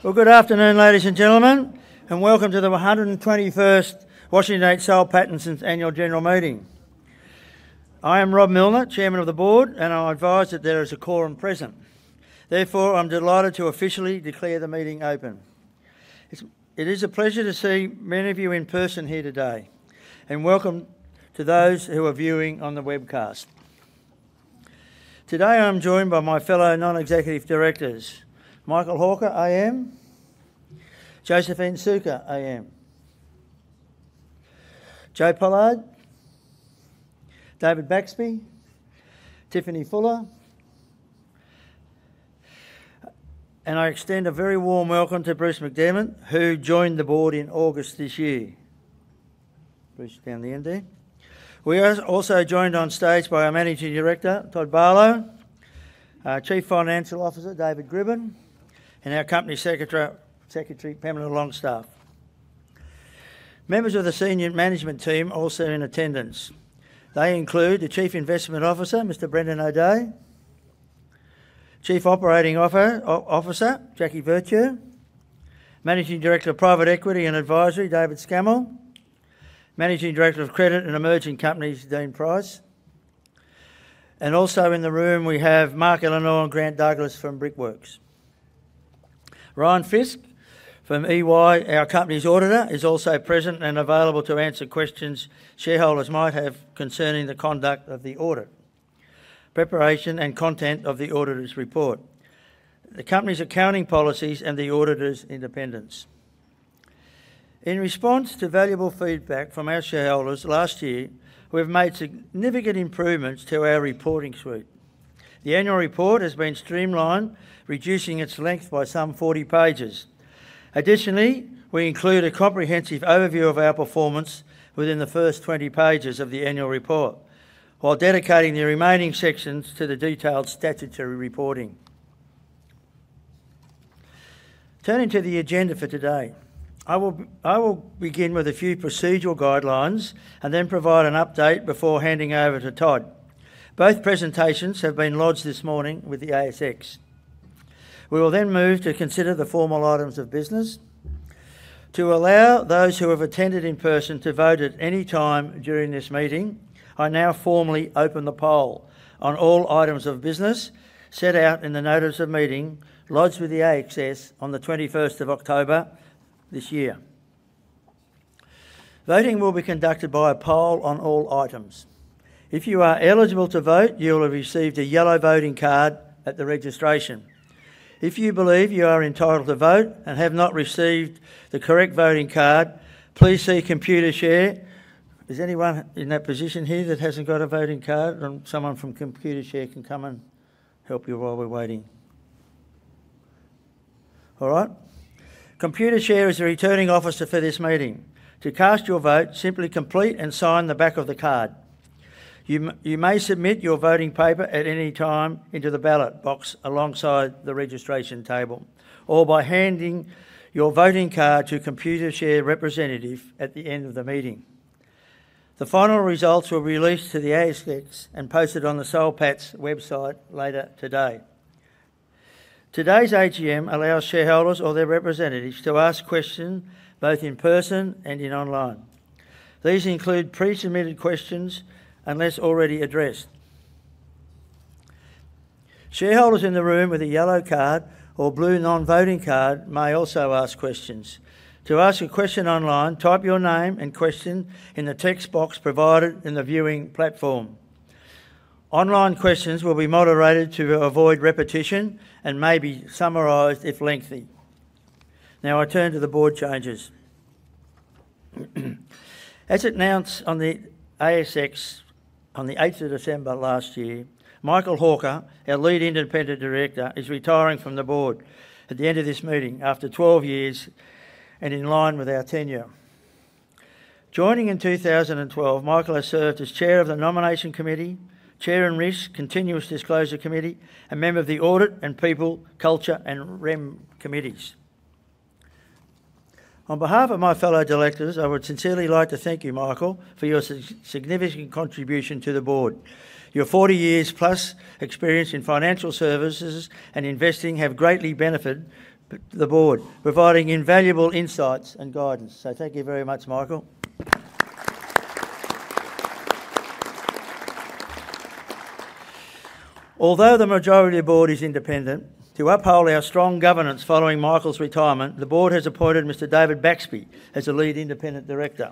Well, good afternoon, ladies and gentlemen, and welcome to the 121st Washington H. Soul Pattinson's annual general meeting. I am Rob Millner, Chairman of the Board, and I advise that there is a quorum present. Therefore, I'm delighted to officially declare the meeting open. It is a pleasure to see many of you in person here today, and welcome to those who are viewing on the webcast. Today, I'm joined by my fellow non-executive directors, Michael Hawker, AM, Josephine Suker, AM, Joe Pollard, David Baxby, Tiffany Fuller, and I extend a very warm welcome to Bruce MacDiarmid, who joined the Board in August this year. Bruce down the end there. We are also joined on stage by our Managing Director, Todd Barlow, Chief Financial Officer, David Grbin, and our Company Secretary, Pamela Longstaff. Members of the Senior Management Team are also in attendance. They include the Chief Investment Officer, Mr. Brendan O'Dea, Chief Operating Officer, Jaki Virtue, Managing Director of Private Equity and Advisory, David Scammell, Managing Director of Credit and Emerging Companies, Dean Price, and also in the room, we have Mark Ellenor and Grant Douglas from Brickworks. Ryan Fisk from EY, our Company's Auditor, is also present and available to answer questions shareholders might have concerning the conduct of the audit, preparation, and content of the auditor's report, the Company's accounting policies, and the auditor's independence. In response to valuable feedback from our shareholders last year, we have made significant improvements to our reporting suite. The annual report has been streamlined, reducing its length by some 40 pages. Additionally, we include a comprehensive overview of our performance within the first 20 pages of the annual report, while dedicating the remaining sections to the detailed statutory reporting. Turning to the agenda for today, I will begin with a few procedural guidelines and then provide an update before handing over to Todd. Both presentations have been lodged this morning with the ASX. We will then move to consider the formal items of business. To allow those who have attended in person to vote at any time during this meeting, I now formally open the poll on all items of business set out in the notice of meeting lodged with the ASX on the 21st of October this year. Voting will be conducted by a poll on all items. If you are eligible to vote, you will have received a yellow voting card at the registration. If you believe you are entitled to vote and have not received the correct voting card, please see Computershare. Is anyone in that position here that hasn't got a voting card? Someone from Computershare can come and help you while we're waiting. All right. Computershare is the returning officer for this meeting. To cast your vote, simply complete and sign the back of the card. You may submit your voting paper at any time into the ballot box alongside the registration table or by handing your voting card to Computershare representative at the end of the meeting. The final results will be released to the ASX and posted on the Soul Pattinson website later today. Today's AGM allows shareholders or their representatives to ask questions both in person and online. These include pre-submitted questions unless already addressed. Shareholders in the room with a yellow card or blue non-voting card may also ask questions. To ask a question online, type your name and question in the text box provided in the viewing platform. Online questions will be moderated to avoid repetition and may be summarized if lengthy. Now, I turn to the Board changes. As announced on the ASX on the 8th of December last year, Michael Hawker, our lead independent director, is retiring from the Board at the end of this meeting after 12 years and in line with our tenure. Joining in 2012, Michael has served as Chair of the Nomination Committee, Chair and Risk, Continuous Disclosure Committee, and member of the Audit and People, Culture, and Rem Committees. On behalf of my fellow directors, I would sincerely like to thank you, Michael, for your significant contribution to the Board. Your 40 years-plus experience in financial services and investing have greatly benefited the Board, providing invaluable insights and guidance. Thank you very much, Michael. Although the majority of the Board is independent, to uphold our strong governance following Michael's retirement, the Board has appointed Mr. David Baxby as the Lead Independent Director.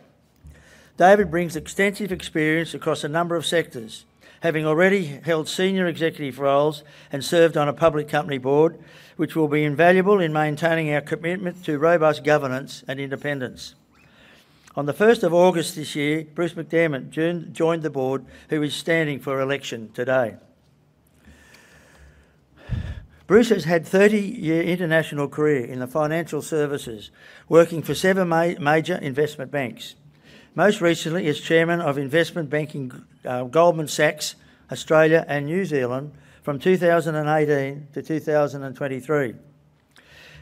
David brings extensive experience across a number of sectors, having already held senior executive roles and served on a public company Board, which will be invaluable in maintaining our commitment to robust governance and independence. On the 1st of August this year, Bruce MacDiarmid joined the Board, who is standing for election today. Bruce has had a 30-year international career in the financial services, working for seven major investment banks. Most recently, he is Chairman of Investment Banking Goldman Sachs Australia and New Zealand from 2018-2023.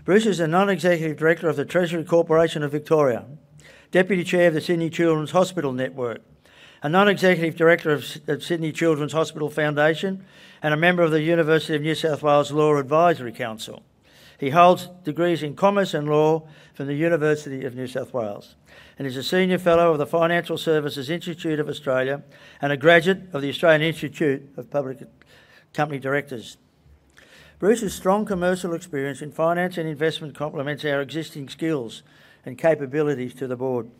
Bruce is a non-executive director of the Treasury Corporation of Victoria, Deputy Chair of the Sydney Children's Hospital Network, a non-executive director of the Sydney Children's Hospital Foundation, and a member of the University of New South Wales Law Advisory Council. He holds degrees in commerce and law from the University of New South Wales and is a senior fellow of the Financial Services Institute of Australia and a graduate of the Australian Institute of Company Directors. Bruce's strong commercial experience in finance and investment complements our existing skills and capabilities to the Board.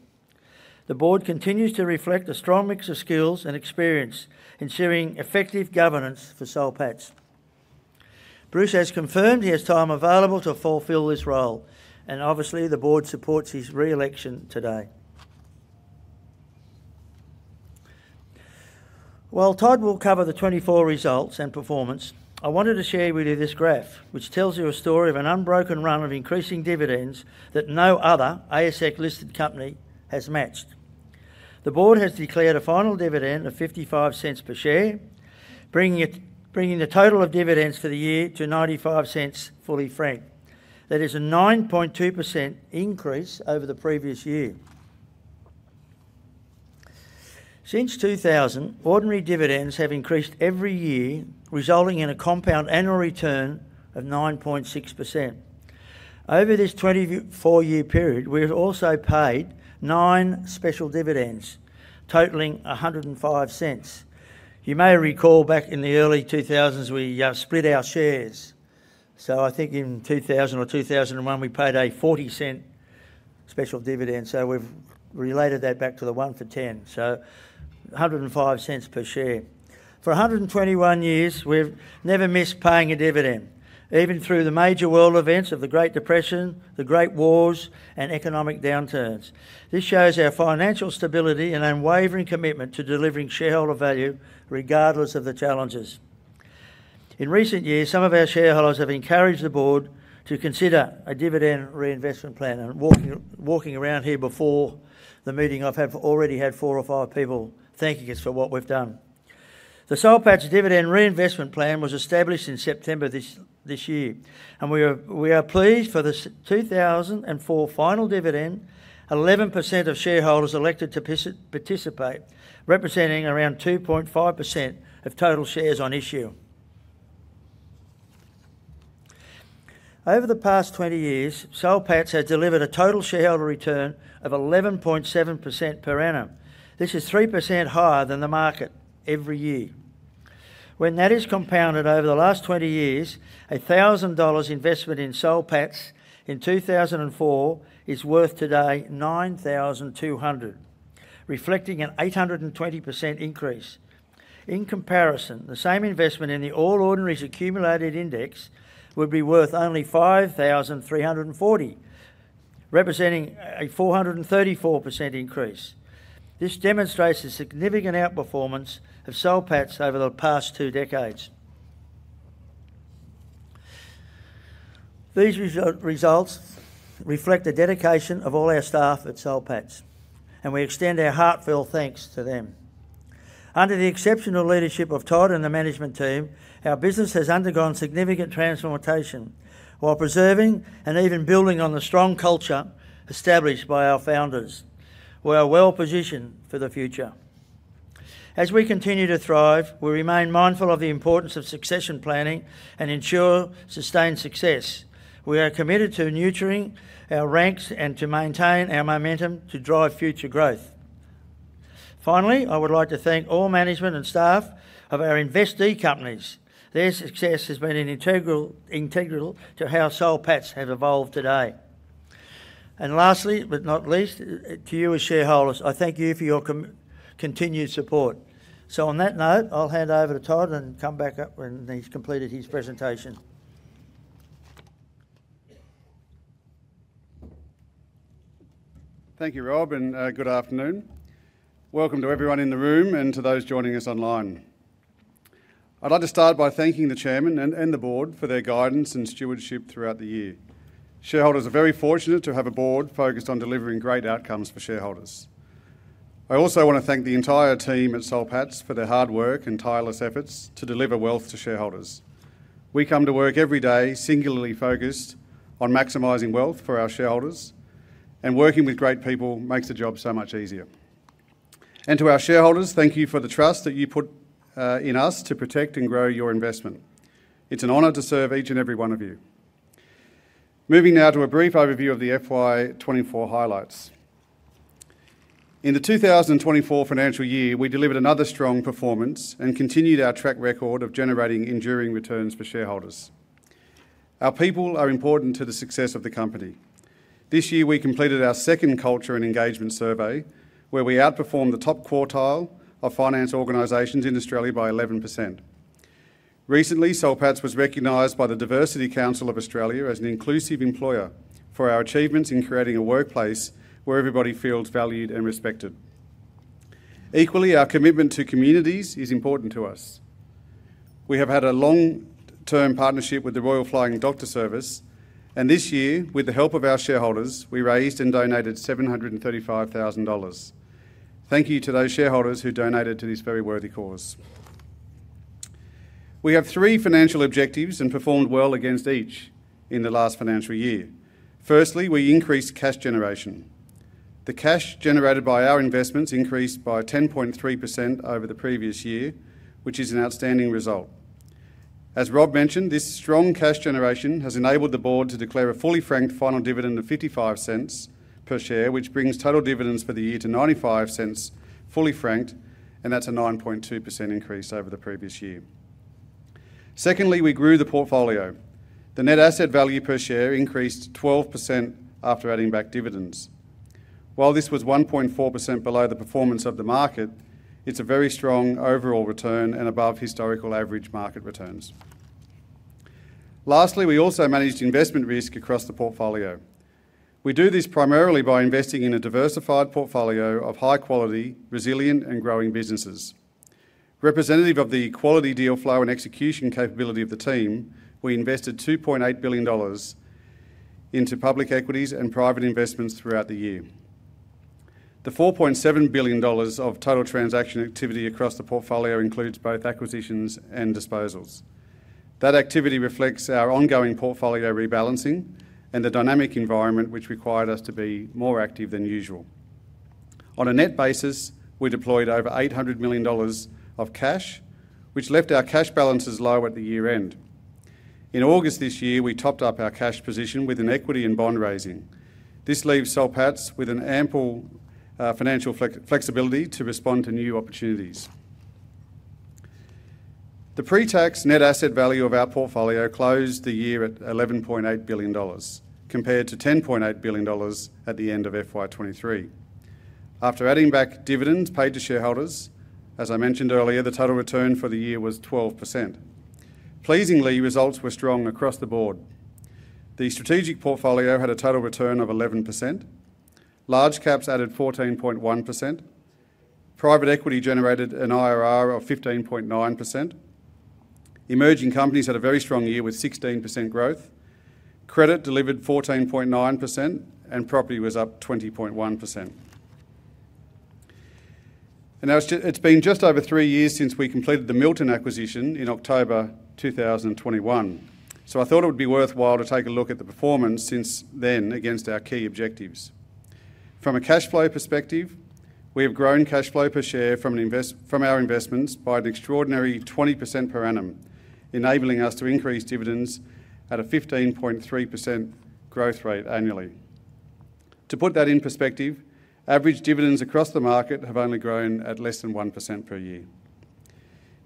The Board continues to reflect a strong mix of skills and experience ensuring effective governance for Soul Pattinson. Bruce has confirmed he has time available to fulfill this role, and obviously, the Board supports his re-election today. While Todd will cover the 24 results and performance, I wanted to share with you this graph, which tells you a story of an unbroken run of increasing dividends that no other ASX-listed company has matched. The Board has declared a final dividend of 0.55 per share, bringing the total of dividends for the year to 0.95 fully franked. That is a 9.2% increase over the previous year. Since 2000, ordinary dividends have increased every year, resulting in a compound annual return of 9.6%. Over this 24-year period, we have also paid nine special dividends, totaling 1.05. You may recall back in the early 2000s, we split our shares. So, I think in 2000 or 2001, we paid a 0.40 special dividend. So, we've related that back to the one for ten. So, 1.05 per share. For 121 years, we've never missed paying a dividend, even through the major world events of the Great Depression, the Great Wars, and economic downturns. This shows our financial stability and unwavering commitment to delivering shareholder value regardless of the challenges. In recent years, some of our shareholders have encouraged the Board to consider a dividend reinvestment plan, and walking around here before the meeting, I've already had four or five people thanking us for what we've done. The Soul Pattinson Dividend Reinvestment Plan was established in September this year, and we are pleased for the 2004 final dividend, 11% of shareholders elected to participate, representing around 2.5% of total shares on issue. Over the past 20 years, Soul Pattinson has delivered a total shareholder return of 11.7% per annum. This is 3% higher than the market every year. When that is compounded over the last 20 years, 1,000 dollars investment in Soul Pattinson in 2004 is worth today 9,200, reflecting an 820% increase. In comparison, the same investment in the All Ordinaries Accumulated Index would be worth only 5,340, representing a 434% increase. This demonstrates the significant outperformance of Soul Pattinson over the past two decades. These results reflect the dedication of all our staff at Soul Pattinson, and we extend our heartfelt thanks to them. Under the exceptional leadership of Todd and the management team, our business has undergone significant transformation while preserving and even building on the strong culture established by our founders. We are well positioned for the future. As we continue to thrive, we remain mindful of the importance of succession planning and ensure sustained success. We are committed to nurturing our ranks and to maintain our momentum to drive future growth. Finally, I would like to thank all management and staff of our investee companies. Their success has been integral to how Soul Pattinson has evolved today. And lastly, but not least, to you as shareholders, I thank you for your continued support. So, on that note, I'll hand over to Todd and come back up when he's completed his presentation. Thank you, Rob, and good afternoon. Welcome to everyone in the room and to those joining us online. I'd like to start by thanking the Chairman and the Board for their guidance and stewardship throughout the year. Shareholders are very fortunate to have a Board focused on delivering great outcomes for shareholders. I also want to thank the entire team at Soul Pattinson for their hard work and tireless efforts to deliver wealth to shareholders. We come to work every day singularly focused on maximizing wealth for our shareholders, and working with great people makes the job so much easier, and to our shareholders, thank you for the trust that you put in us to protect and grow your investment. It's an honor to serve each and every one of you. Moving now to a brief overview of the FY 24 highlights. In the 2024 financial year, we delivered another strong performance and continued our track record of generating enduring returns for shareholders. Our people are important to the success of the company. This year, we completed our second culture and engagement survey, where we outperformed the top quartile of finance organizations in Australia by 11%. Recently, Soul Pattinson was recognized by the Diversity Council of Australia as an inclusive employer for our achievements in creating a workplace where everybody feels valued and respected. Equally, our commitment to communities is important to us. We have had a long-term partnership with the Royal Flying Doctor Service, and this year, with the help of our shareholders, we raised and donated 735,000 dollars. Thank you to those shareholders who donated to this very worthy cause. We have three financial objectives and performed well against each in the last financial year. Firstly, we increased cash generation. The cash generated by our investments increased by 10.3% over the previous year, which is an outstanding result. As Rob mentioned, this strong cash generation has enabled the Board to declare a fully franked final dividend of 0.55 per share, which brings total dividends for the year to 0.95 fully franked, and that's a 9.2% increase over the previous year. Secondly, we grew the portfolio. The net asset value per share increased 12% after adding back dividends. While this was 1.4% below the performance of the market, it's a very strong overall return and above historical average market returns. Lastly, we also managed investment risk across the portfolio. We do this primarily by investing in a diversified portfolio of high-quality, resilient, and growing businesses. Representative of the quality deal flow and execution capability of the team, we invested 2.8 billion dollars into public equities and private investments throughout the year. The 4.7 billion dollars of total transaction activity across the portfolio includes both acquisitions and disposals. That activity reflects our ongoing portfolio rebalancing and the dynamic environment, which required us to be more active than usual. On a net basis, we deployed over 800 million dollars of cash, which left our cash balances low at the year-end. In August this year, we topped up our cash position with an equity and bond raising. This leaves Soul Pattinson with an ample financial flexibility to respond to new opportunities. The pre-tax net asset value of our portfolio closed the year at AUD 11.8 billion, compared to AUD 10.8 billion at the end of FY 2023. After adding back dividends paid to shareholders, as I mentioned earlier, the total return for the year was 12%. Pleasingly, results were strong across the Board. The strategic portfolio had a total return of 11%. Large caps added 14.1%. Private equity generated an IRR of 15.9%. Emerging companies had a very strong year with 16% growth. Credit delivered 14.9%, and property was up 20.1%, and now, it's been just over three years since we completed the Milton acquisition in October 2021, so, I thought it would be worthwhile to take a look at the performance since then against our key objectives. From a cash flow perspective, we have grown cash flow per share from our investments by an extraordinary 20% per annum, enabling us to increase dividends at a 15.3% growth rate annually. To put that in perspective, average dividends across the market have only grown at less than 1% per year.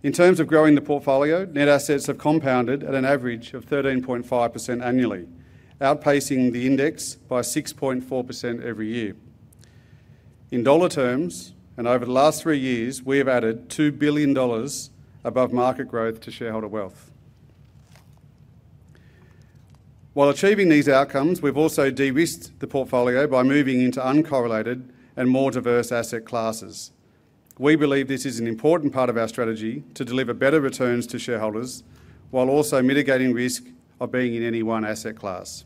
In terms of growing the portfolio, net assets have compounded at an average of 13.5% annually, outpacing the index by 6.4% every year. In dollar terms, and over the last three years, we have added 2 billion dollars above market growth to shareholder wealth. While achieving these outcomes, we've also de-risked the portfolio by moving into uncorrelated and more diverse asset classes. We believe this is an important part of our strategy to deliver better returns to shareholders while also mitigating risk of being in any one asset class.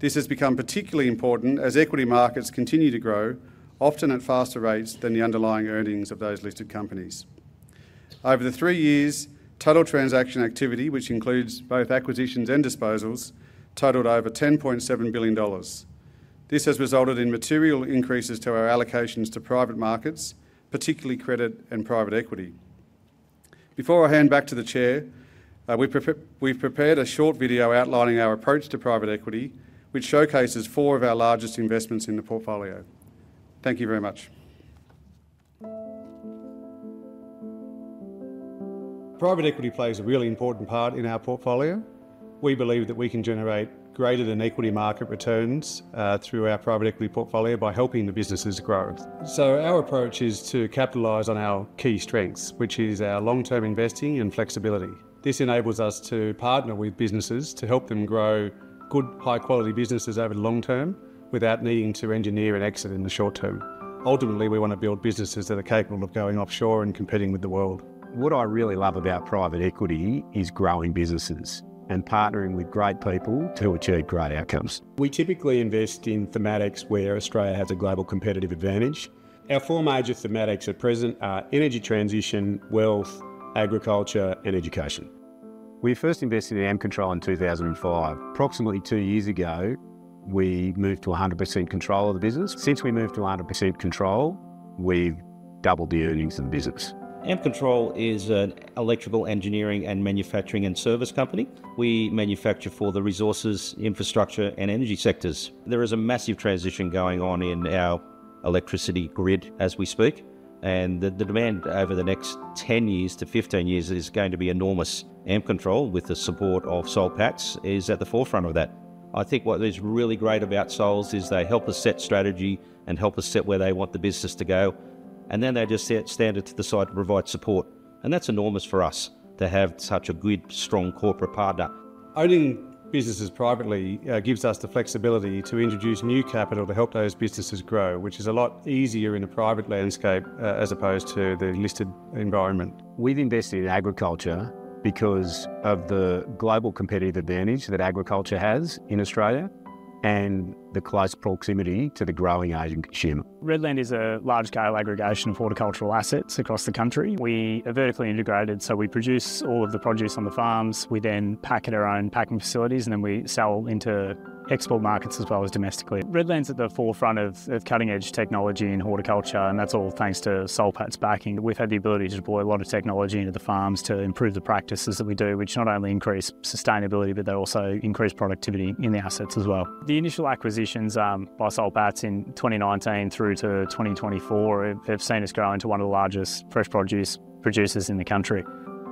This has become particularly important as equity markets continue to grow, often at faster rates than the underlying earnings of those listed companies. Over the three years, total transaction activity, which includes both acquisitions and disposals, totaled over 10.7 billion dollars. This has resulted in material increases to our allocations to private markets, particularly credit and private equity. Before I hand back to the Chair, we've prepared a short video outlining our approach to private equity, which showcases four of our largest investments in the portfolio. Thank you very much. Private equity plays a really important part in our portfolio. We believe that we can generate greater than equity market returns through our private equity portfolio by helping the businesses grow. So, our approach is to capitalize on our key strengths, which is our long-term investing and flexibility. This enables us to partner with businesses to help them grow good, high-quality businesses over the long term without needing to engineer an exit in the short term. Ultimately, we want to build businesses that are capable of going offshore and competing with the world. What I really love about private equity is growing businesses and partnering with great people to achieve great outcomes. We typically invest in thematics where Australia has a global competitive advantage. Our four major thematics at present are energy transition, wealth, agriculture, and education. We first invested in Ampcontrol in 2005. Approximately two years ago, we moved to 100% control of the business. Since we moved to 100% control, we've doubled the earnings in the business. Ampcontrol is an electrical engineering and manufacturing and service company. We manufacture for the resources, infrastructure, and energy sectors. There is a massive transition going on in our electricity grid as we speak, and the demand over the next 10 years to 15 years is going to be enormous. Ampcontrol, with the support of Soul Pattinson, is at the forefront of that. I think what is really great about Soul is they help us set strategy and help us set where they want the business to go, and then they just stand at the side to provide support. And that's enormous for us to have such a good, strong corporate partner. Owning businesses privately gives us the flexibility to introduce new capital to help those businesses grow, which is a lot easier in a private landscape as opposed to the listed environment. We've invested in agriculture because of the global competitive advantage that agriculture has in Australia and the close proximity to the growing Asian consumer. Redland is a large-scale aggregation of horticultural assets across the country. We are vertically integrated, so we produce all of the produce on the farms. We then pack at our own packing facilities, and then we sell into export markets as well as domestically. Redland is at the forefront of cutting-edge technology in horticulture, and that's all thanks to Soul Pattinson's backing. We've had the ability to deploy a lot of technology into the farms to improve the practices that we do, which not only increase sustainability, but they also increase productivity in the assets as well. The initial acquisitions by Soul Pattinson in 2019 through to 2024 have seen us grow into one of the largest fresh produce producers in the country.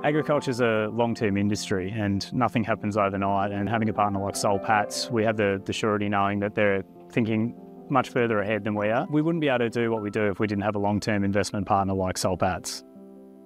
Agriculture is a long-term industry, and nothing happens overnight. And having a partner like Soul Pattinson, we have the surety knowing that they're thinking much further ahead than we are. We wouldn't be able to do what we do if we didn't have a long-term investment partner like Soul Pattinson.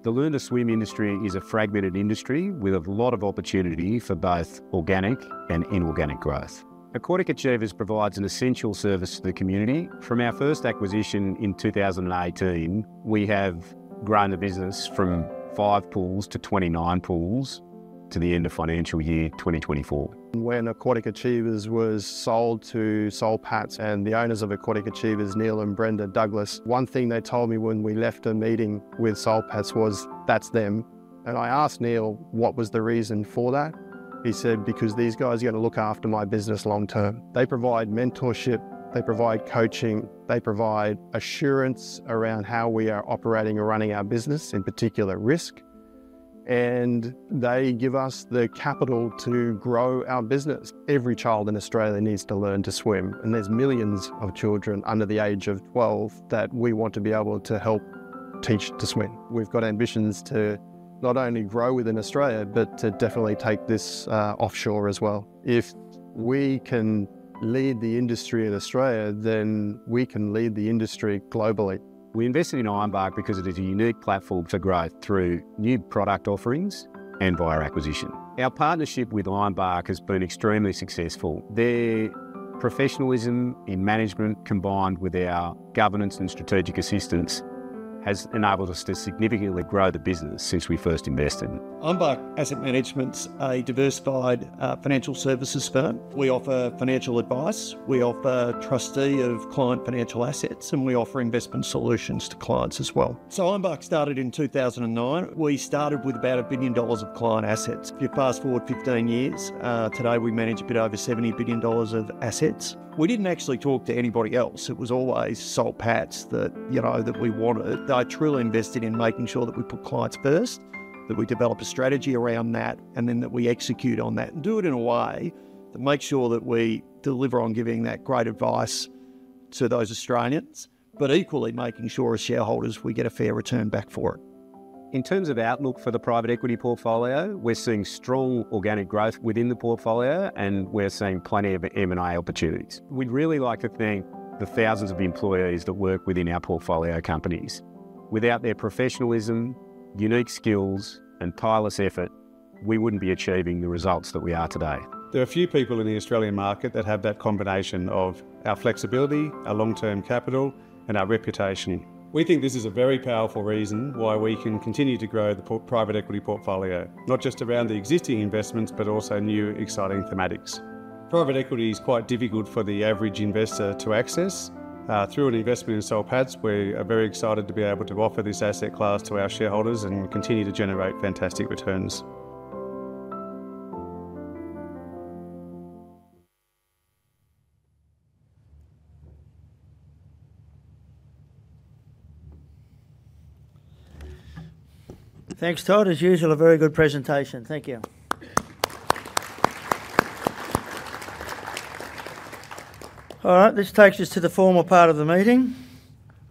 The learn-to-swim industry is a fragmented industry with a lot of opportunity for both organic and inorganic growth. Aquatic Achievers provides an essential service to the community. From our first acquisition in 2018, we have grown the business from five pools to 29 pools to the end of financial year 2024. When Aquatic Achievers was sold to Soul Pattinson and the owners of Aquatic Achievers, Neil and Brenda Douglas, one thing they told me when we left a meeting with Soul Pattinson was, "That's them," and I asked Neil, "What was the reason for that?" He said, "Because these guys are going to look after my business long term." They provide mentorship. They provide coaching. They provide assurance around how we are operating or running our business, in particular risk, and they give us the capital to grow our business. Every child in Australia needs to learn to swim, and there's millions of children under the age of 12 that we want to be able to help teach to swim. We've got ambitions to not only grow within Australia, but to definitely take this offshore as well. If we can lead the industry in Australia, then we can lead the industry globally. We invested in Ironbark because it is a unique platform to grow through new product offerings and via acquisition. Our partnership with Ironbark has been extremely successful. Their professionalism in management, combined with our governance and strategic assistance, has enabled us to significantly grow the business since we first invested. Ironbark Asset Management is a diversified financial services firm. We offer financial advice. We offer trustee of client financial assets, and we offer investment solutions to clients as well. So Ironbark started in 2009. We started with about 1 billion dollars of client assets. If you fast forward 15 years, today we manage a bit over 70 billion dollars of assets. We didn't actually talk to anybody else. It was always Soul Pattinson that we wanted. I truly invested in making sure that we put clients first, that we develop a strategy around that, and then that we execute on that and do it in a way that makes sure that we deliver on giving that great advice to those Australians, but equally making sure as shareholders we get a fair return back for it. In terms of outlook for the private equity portfolio, we're seeing strong organic growth within the portfolio, and we're seeing plenty of M&A opportunities. We'd really like to thank the thousands of employees that work within our portfolio companies. Without their professionalism, unique skills, and tireless effort, we wouldn't be achieving the results that we are today. There are few people in the Australian market that have that combination of our flexibility, our long-term capital, and our reputation. We think this is a very powerful reason why we can continue to grow the private equity portfolio, not just around the existing investments, but also new exciting thematics. Private equity is quite difficult for the average investor to access. Through an investment in Soul Pattinson, we are very excited to be able to offer this asset class to our shareholders and continue to generate fantastic returns. Thanks, Todd. As usual, a very good presentation. Thank you. All right, this takes us to the formal part of the meeting.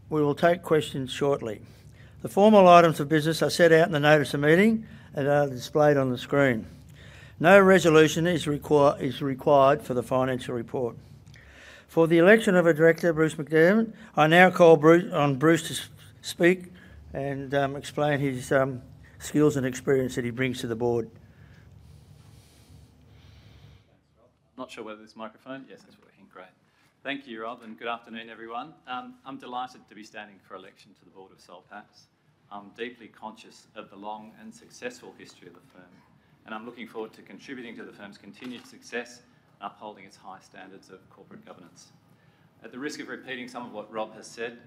We will take questions shortly. The formal items of business are set out in the notice of meeting and are displayed on the screen. No resolution is required for the financial report. For the election of a director, Bruce MacDiarmid, I now call on Bruce to speak and explain his skills and experience that he brings to the Board. I'm not sure whether this microphone - yes, it's working. Great. Thank you, Rob, and good afternoon, everyone. I'm delighted to be standing for election to the Board of Soul Pattinson. I'm deeply conscious of the long and successful history of the firm, and I'm looking forward to contributing to the firm's continued success and upholding its high standards of corporate governance. At the risk of repeating some of what Rob has said,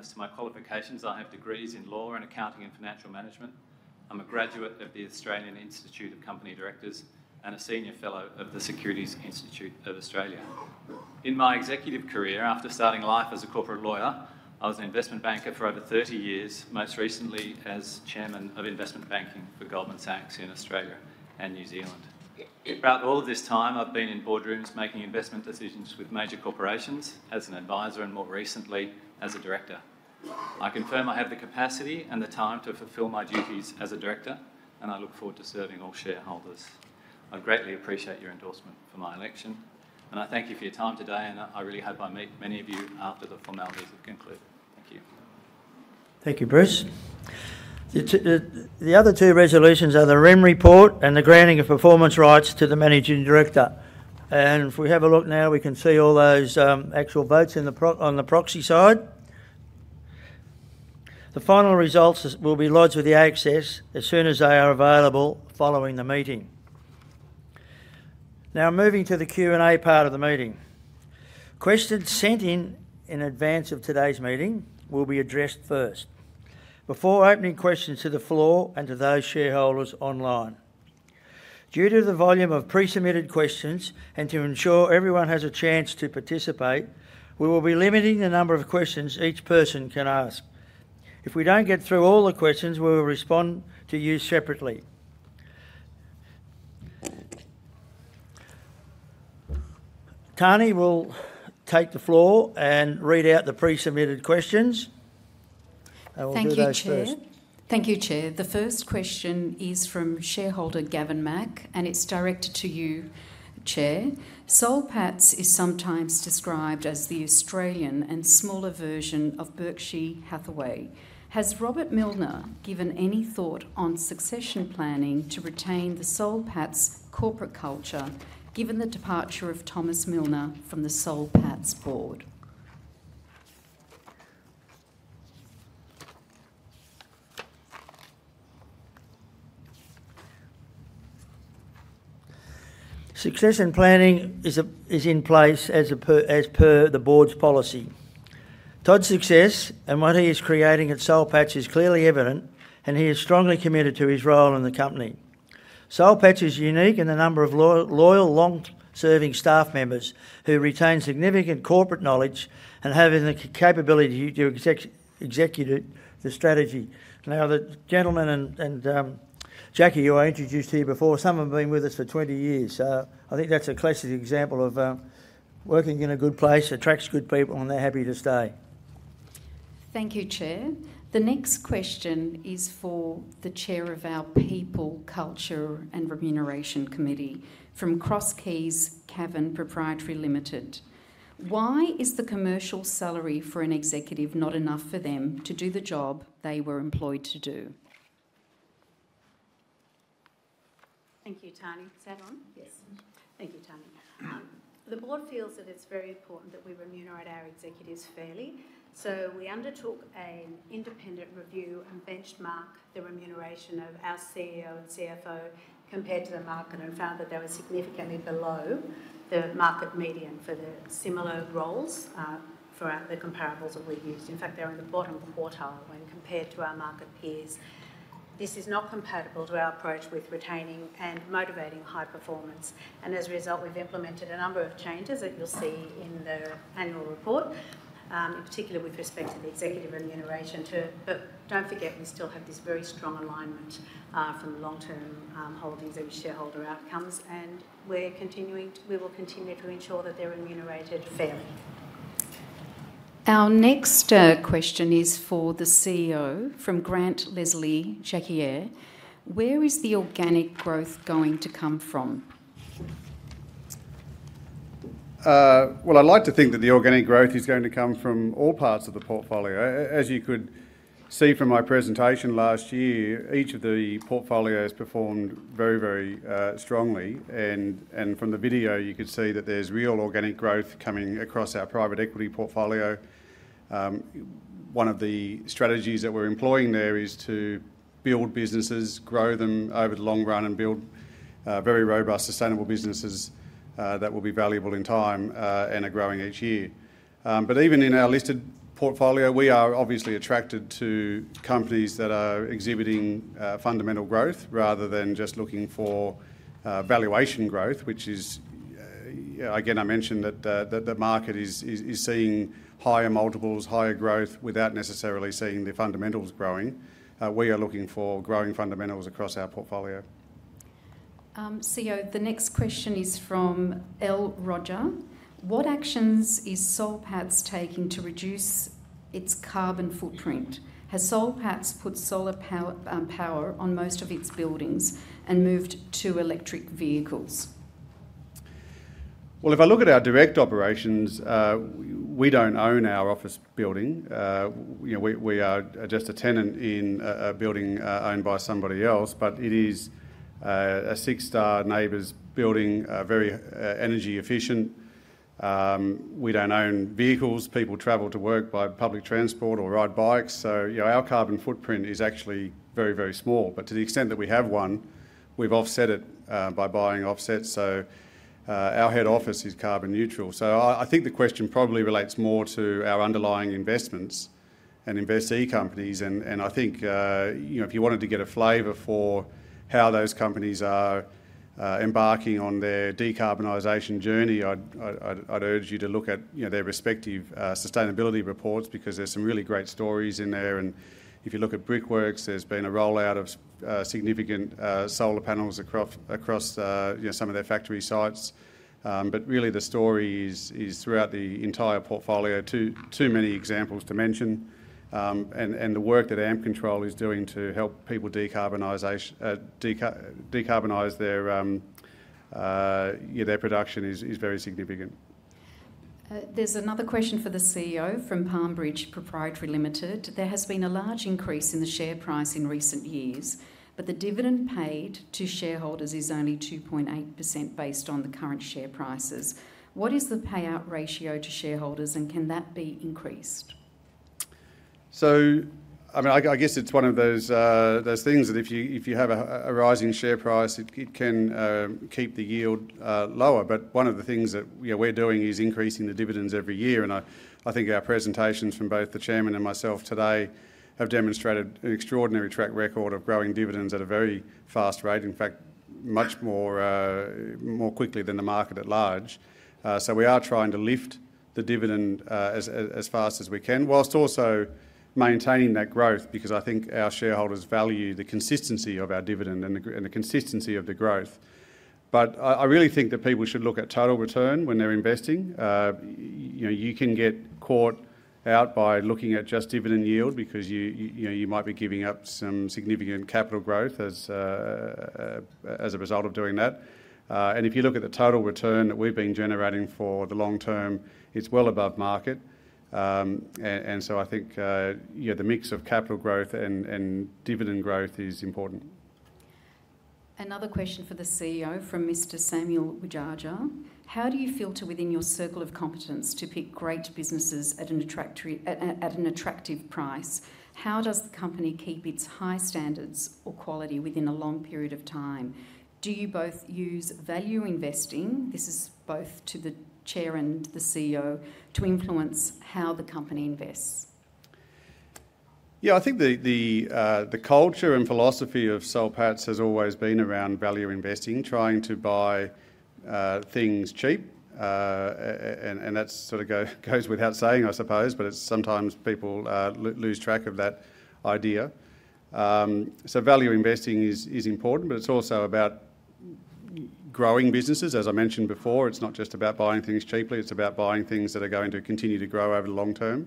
as to my qualifications, I have degrees in law and accounting and financial management. I'm a graduate of the Australian Institute of Company Directors and a senior fellow of the Financial Services Institute of Australia. In my executive career, after starting life as a corporate lawyer, I was an investment banker for over 30 years, most recently as Chairman of investment banking for Goldman Sachs in Australia and New Zealand. Throughout all of this time, I've been in Boardrooms making investment decisions with major corporations as an advisor and more recently as a Director. I confirm I have the capacity and the time to fulfill my duties as a Director, and I look forward to serving all shareholders. I greatly appreciate your endorsement for my election, and I thank you for your time today, and I really hope I meet many of you after the formalities have concluded. Thank you. Thank you, Bruce. The other two resolutions are the REM report and the granting of performance rights to the Managing Director, and if we have a look now, we can see all those actual votes on the proxy side. The final results will be lodged with the ASX as soon as they are available following the meeting. Now, moving to the Q&A part of the meeting. Questions sent in in advance of today's meeting will be addressed first. Before opening questions to the floor and to those shareholders online, due to the volume of pre-submitted questions and to ensure everyone has a chance to participate, we will be limiting the number of questions each person can ask. If we don't get through all the questions, we will respond to you separately. Tanny will take the floor and read out the pre-submitted questions. Thank you, Chair. Thank you, Chair. The first question is from shareholder Gavin Mack, and it's directed to you, Chair. Soul Pattinson is sometimes described as the Australian and smaller version of Berkshire Hathaway. Has Rob Millner given any thought on succession planning to retain the Soul Pattinson corporate culture given the departure of Thomas Millner from the Soul Pattinson Board? Succession planning is in place as per the Board's policy. Todd's success and what he is creating at Soul Pattinson is clearly evident, and he is strongly committed to his role in the company. Soul Pattinson is unique in the number of loyal, long-serving staff members who retain significant corporate knowledge and have the capability to execute the strategy. Now, the gentlemen and Jaki, who I introduced here before, some have been with us for 20 years. I think that's a classic example of working in a good place, attracts good people, and they're happy to stay. Thank you, Chair. The next question is for the Chair of our People, Culture and Remuneration Committee from Cross Keys Cavan Proprietary Limited. Why is the commercial salary for an executive not enough for them to do the job they were employed to do? Thank you, Tanny. Is that on? Yes. Thank you, Tanny. The Board feels that it's very important that we remunerate our executives fairly. So we undertook an independent review and benchmarked the remuneration of our CEO and CFO compared to the market and found that they were significantly below the market median for the similar roles for the comparables that we used. In fact, they were in the bottom quartile when compared to our market peers. This is not compatible with our approach with retaining and motivating high performance. And as a result, we've implemented a number of changes that you'll see in the annual report, in particular with respect to the executive remuneration. But don't forget, we still have this very strong alignment from long-term holdings and shareholder outcomes, and we will continue to ensure that they're remunerated fairly. Our next question is for the CEO from Grant Leslie-Jacquier. Where is the organic growth going to come from? I'd like to think that the organic growth is going to come from all parts of the portfolio. As you could see from my presentation last year, each of the portfolios performed very, very strongly. And from the video, you could see that there's real organic growth coming across our private equity portfolio. One of the strategies that we're employing there is to build businesses, grow them over the long run, and build very robust, sustainable businesses that will be valuable in time and are growing each year. But even in our listed portfolio, we are obviously attracted to companies that are exhibiting fundamental growth rather than just looking for valuation growth, which is, again, I mentioned that the market is seeing higher multiples, higher growth without necessarily seeing the fundamentals growing. We are looking for growing fundamentals across our portfolio. CEO, the next question is from L. Roger. What actions is Soul Pattinson taking to reduce its carbon footprint? Has Soul Pattinson put solar power on most of its buildings and moved to electric vehicles? If I look at our direct operations, we don't own our office building. We are just a tenant in a building owned by somebody else, but it is a six-star NABERS building, very energy efficient. We don't own vehicles. People travel to work by public transport or ride bikes. So our carbon footprint is actually very, very small. But to the extent that we have one, we've offset it by buying offsets. So our head office is carbon neutral. So I think the question probably relates more to our underlying investments and investee companies. And I think if you wanted to get a flavor for how those companies are embarking on their decarbonization journey, I'd urge you to look at their respective sustainability reports because there's some really great stories in there. And if you look at Brickworks, there's been a rollout of significant solar panels across some of their factory sites. But really, the story is throughout the entire portfolio. Too many examples to mention. And the work that Ampcontrol is doing to help people decarbonize their production is very significant. There's another question for the CEO from PalmBridge Proprietary Limited. There has been a large increase in the share price in recent years, but the dividend paid to shareholders is only 2.8% based on the current share prices. What is the payout ratio to shareholders, and can that be increased? So I guess it's one of those things that if you have a rising share price, it can keep the yield lower. But one of the things that we're doing is increasing the dividends every year. And I think our presentations from both the Chairman and myself today have demonstrated an extraordinary track record of growing dividends at a very fast rate, in fact, much more quickly than the market at large. So we are trying to lift the dividend as fast as we can whilst also maintaining that growth because I think our shareholders value the consistency of our dividend and the consistency of the growth. But I really think that people should look at total return when they're investing. You can get caught out by looking at just dividend yield because you might be giving up some significant capital growth as a result of doing that. If you look at the total return that we've been generating for the long term, it's well above market. I think the mix of capital growth and dividend growth is important. Another question for the CEO from Mr. Samuel Widjaja. How do you filter within your circle of competence to pick great businesses at an attractive price? How does the company keep its high standards or quality within a long period of time? Do you both use value investing, this is both to the chair and the CEO, to influence how the company invests? Yeah, I think the culture and philosophy of Soul Pattinson has always been around value investing, trying to buy things cheap. And that sort of goes without saying, I suppose, but sometimes people lose track of that idea. So value investing is important, but it's also about growing businesses. As I mentioned before, it's not just about buying things cheaply. It's about buying things that are going to continue to grow over the long term.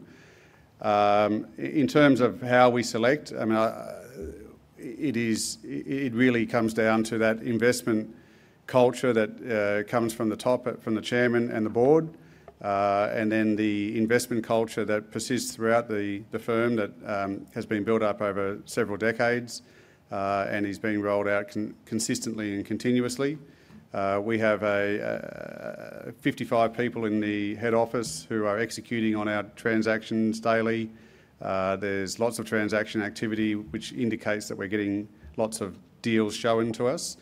In terms of how we select, it really comes down to that investment culture that comes from the top, from the Chairman and the Board, and then the investment culture that persists throughout the firm that has been built up over several decades and is being rolled out consistently and continuously. We have 55 people in the head office who are executing on our transactions daily. There's lots of transaction activity, which indicates that we're getting lots of deals showing to us.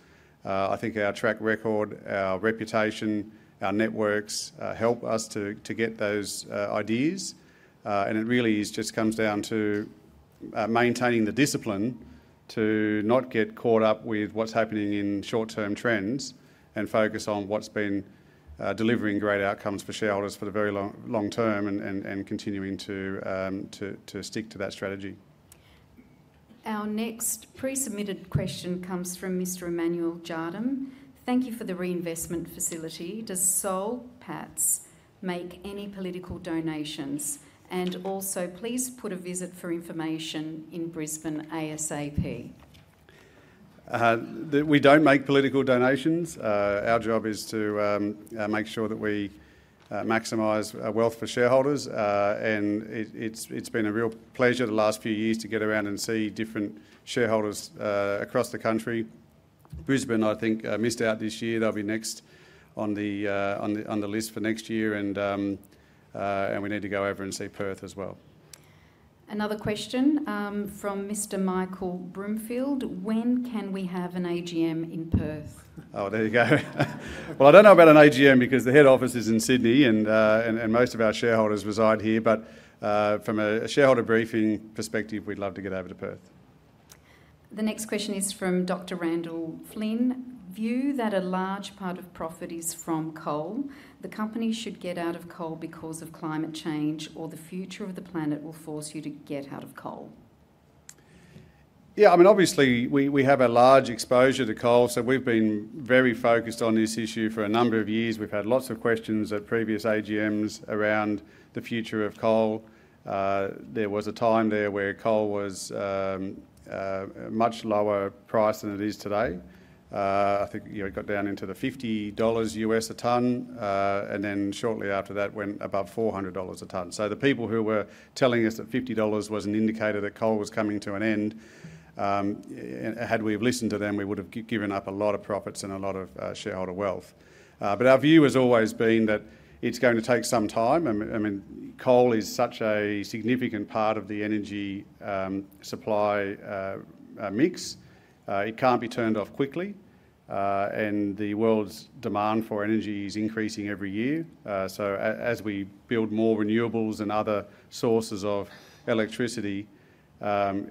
I think our track record, our reputation, our networks help us to get those ideas. And it really just comes down to maintaining the discipline to not get caught up with what's happening in short-term trends and focus on what's been delivering great outcomes for shareholders for the very long term and continuing to stick to that strategy. Our next pre-submitted question comes from Mr. Emmanuel Jardim. Thank you for the reinvestment facility. Does Soul Pattinson make any political donations? And also, please put a visit for information in Brisbane ASAP. We don't make political donations. Our job is to make sure that we maximize wealth for shareholders. And it's been a real pleasure the last few years to get around and see different shareholders across the country. Brisbane, I think, missed out this year. They'll be next on the list for next year. And we need to go over and see Perth as well. Another question from Mr. Michael Broomfield. When can we have an AGM in Perth? Oh, there you go. Well, I don't know about an AGM because the head office is in Sydney, and most of our shareholders reside here. But from a shareholder briefing perspective, we'd love to get over to Perth. The next question is from Dr. Randall Flynn. Do you view that a large part of profit is from coal? The company should get out of coal because of climate change, or the future of the planet will force you to get out of coal? Yeah, I mean, obviously, we have a large exposure to coal, so we've been very focused on this issue for a number of years. We've had lots of questions at previous AGMs around the future of coal. There was a time there where coal was a much lower price than it is today. I think it got down into the $50 a tonne, and then shortly after that went above $400 a tonne. So the people who were telling us that $50 was an indicator that coal was coming to an end, had we listened to them, we would have given up a lot of profits and a lot of shareholder wealth. But our view has always been that it's going to take some time. I mean, coal is such a significant part of the energy supply mix. It can't be turned off quickly. And the world's demand for energy is increasing every year. So as we build more renewables and other sources of electricity,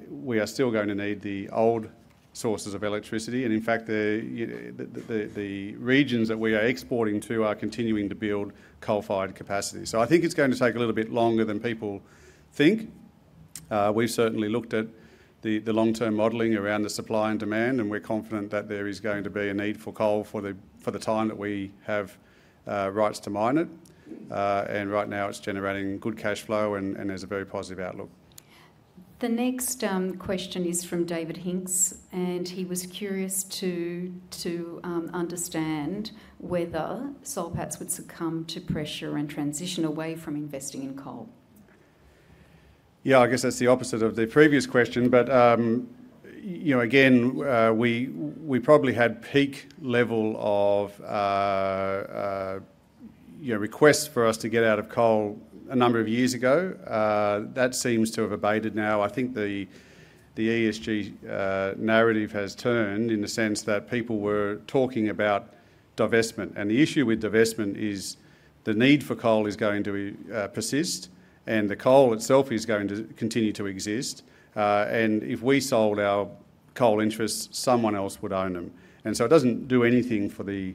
we are still going to need the old sources of electricity. And in fact, the regions that we are exporting to are continuing to build coal-fired capacity. So I think it's going to take a little bit longer than people think. We've certainly looked at the long-term modeling around the supply and demand, and we're confident that there is going to be a need for coal for the time that we have rights to mine it. And right now, it's generating good cash flow, and there's a very positive outlook. The next question is from David Hinks, and he was curious to understand whether Soul Pattinson would succumb to pressure and transition away from investing in coal. Yeah, I guess that's the opposite of the previous question, but again, we probably had peak level of requests for us to get out of coal a number of years ago. That seems to have abated now. I think the ESG narrative has turned in the sense that people were talking about divestment, and the issue with divestment is the need for coal is going to persist, and the coal itself is going to continue to exist, and if we sold our coal interests, someone else would own them, and so it doesn't do anything for the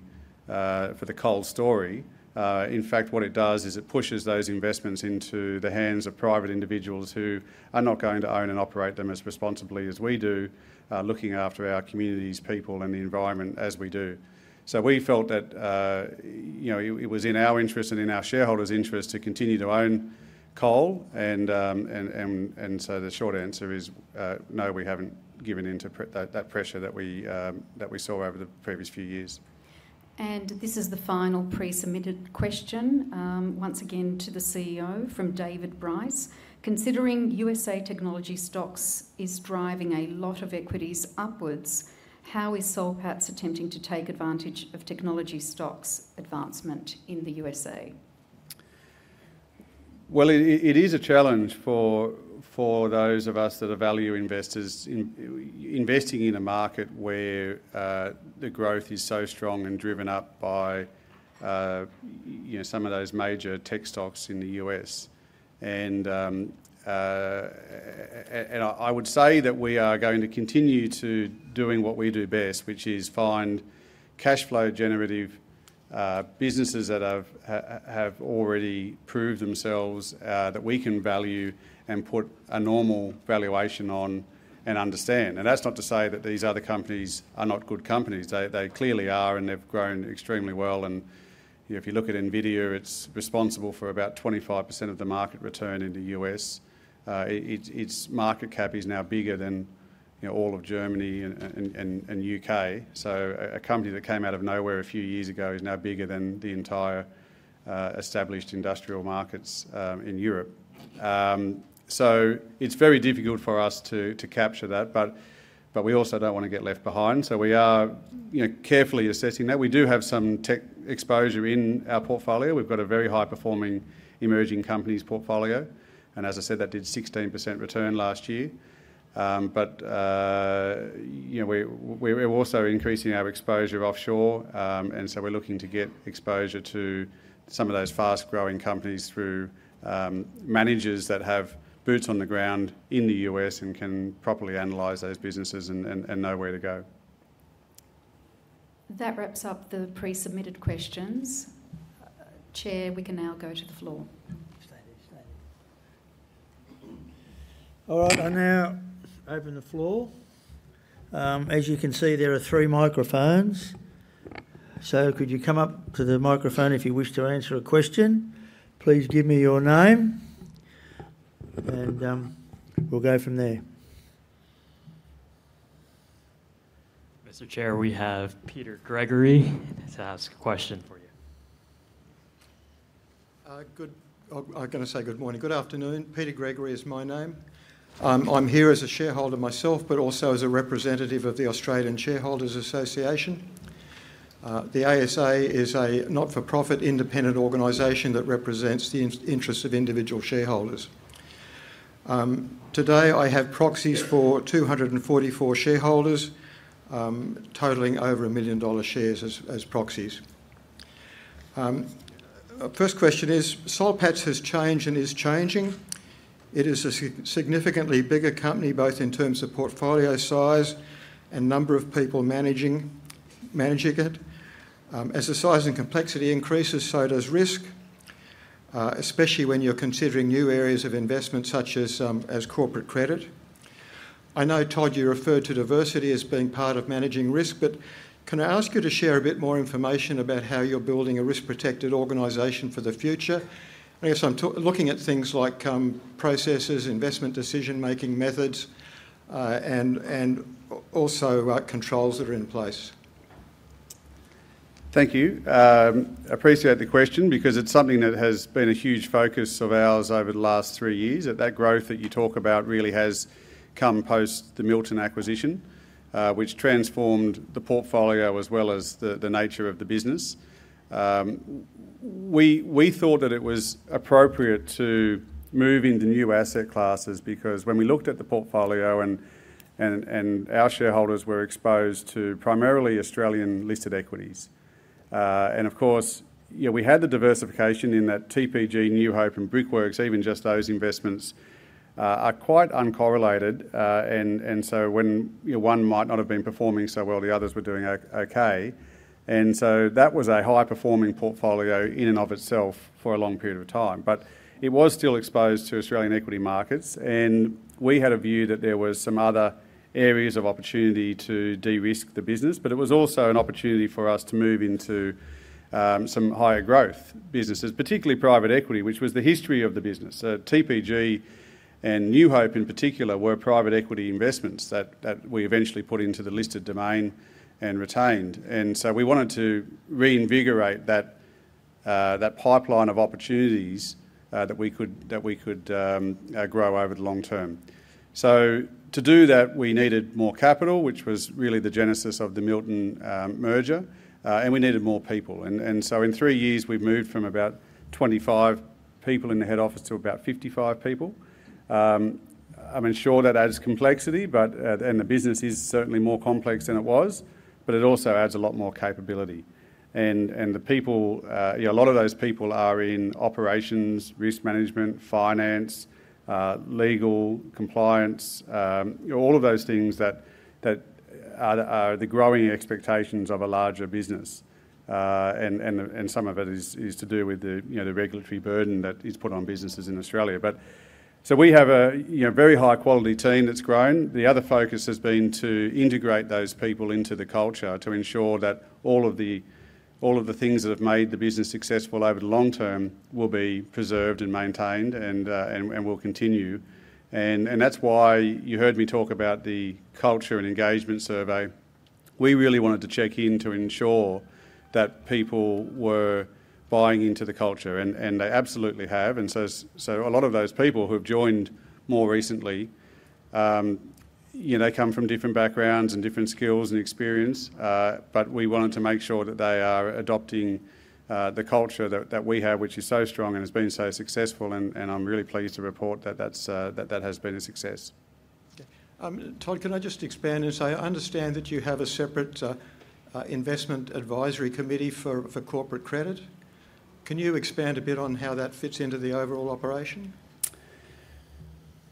coal story. In fact, what it does is it pushes those investments into the hands of private individuals who are not going to own and operate them as responsibly as we do, looking after our communities, people, and the environment as we do. So we felt that it was in our interest and in our shareholders' interest to continue to own coal. And so the short answer is no, we haven't given in to that pressure that we saw over the previous few years. This is the final pre-submitted question. Once again, to the CEO from David Brice. Considering U.S. technology stocks is driving a lot of equities upwards, how is Soul Pattinson attempting to take advantage of technology stocks' advancement in the U.S.? Well, it is a challenge for those of us that are value investors investing in a market where the growth is so strong and driven up by some of those major tech stocks in the U.S. And I would say that we are going to continue to do what we do best, which is find cash flow generative businesses that have already proved themselves that we can value and put a normal valuation on and understand. And that's not to say that these other companies are not good companies. They clearly are, and they've grown extremely well. And if you look at NVIDIA, it's responsible for about 25% of the market return in the U.S. Its market cap is now bigger than all of Germany and the U.K. So a company that came out of nowhere a few years ago is now bigger than the entire established industrial markets in Europe. So it's very difficult for us to capture that, but we also don't want to get left behind. So we are carefully assessing that. We do have some tech exposure in our portfolio. We've got a very high-performing emerging companies portfolio. And as I said, that did 16% return last year. But we're also increasing our exposure offshore, and so we're looking to get exposure to some of those fast-growing companies through managers that have boots on the ground in the U.S. and can properly analyze those businesses and know where to go. That wraps up the pre-submitted questions. Chair, we can now go to the floor. All right. I now open the floor. As you can see, there are three microphones. So could you come up to the microphone if you wish to answer a question? Please give me your name, and we'll go from there. Mr. Chair, we have to ask a question for you. I'm going to say good morning. Good afternoon. Peter Gregory is my name. I'm here as a shareholder myself, but also as a representative of the Australian Shareholders' Association. The ASA is a not-for-profit independent organization that represents the interests of individual shareholders. Today, I have proxies for 244 shareholders totalling over a million dollar shares as proxies. First question is, Soul Pattinson has changed and is changing. It is a significantly bigger company, both in terms of portfolio size and number of people managing it. As the size and complexity increases, so does risk, especially when you're considering new areas of investment such as corporate credit. I know, Todd, you referred to diversity as being part of managing risk, but can I ask you to share a bit more information about how you're building a risk-protected organization for the future? I guess I'm looking at things like processes, investment decision-making methods, and also controls that are in place. Thank you. I appreciate the question because it's something that has been a huge focus of ours over the last three years, that growth that you talk about really has come post the Milton acquisition, which transformed the portfolio as well as the nature of the business. We thought that it was appropriate to move into new asset classes because when we looked at the portfolio and our shareholders were exposed to primarily Australian listed equities, and of course, we had the diversification in that TPG, New Hope, and Brickworks, even just those investments are quite uncorrelated. And so when one might not have been performing so well, the others were doing okay. And so that was a high-performing portfolio in and of itself for a long period of time. But it was still exposed to Australian equity markets, and we had a view that there were some other areas of opportunity to de-risk the business. But it was also an opportunity for us to move into some higher growth businesses, particularly private equity, which was the history of the business. TPG and New Hope, in particular, were private equity investments that we eventually put into the listed domain and retained. And so we wanted to reinvigorate that pipeline of opportunities that we could grow over the long term. So to do that, we needed more capital, which was really the genesis of the Milton merger, and we needed more people. And so in three years, we've moved from about 25 people in the head office to about 55 people. I'm sure that adds complexity, and the business is certainly more complex than it was, but it also adds a lot more capability. And a lot of those people are in operations, risk management, finance, legal, compliance, all of those things that are the growing expectations of a larger business. And some of it is to do with the regulatory burden that is put on businesses in Australia. So we have a very high-quality team that's grown. The other focus has been to integrate those people into the culture to ensure that all of the things that have made the business successful over the long term will be preserved and maintained and will continue. And that's why you heard me talk about the culture and engagement survey. We really wanted to check in to ensure that people were buying into the culture, and they absolutely have. A lot of those people who have joined more recently come from different backgrounds and different skills and experience. But we wanted to make sure that they are adopting the culture that we have, which is so strong and has been so successful. I'm really pleased to report that that has been a success. Todd, can I just expand and say I understand that you have a separate investment advisory committee for corporate credit. Can you expand a bit on how that fits into the overall operation?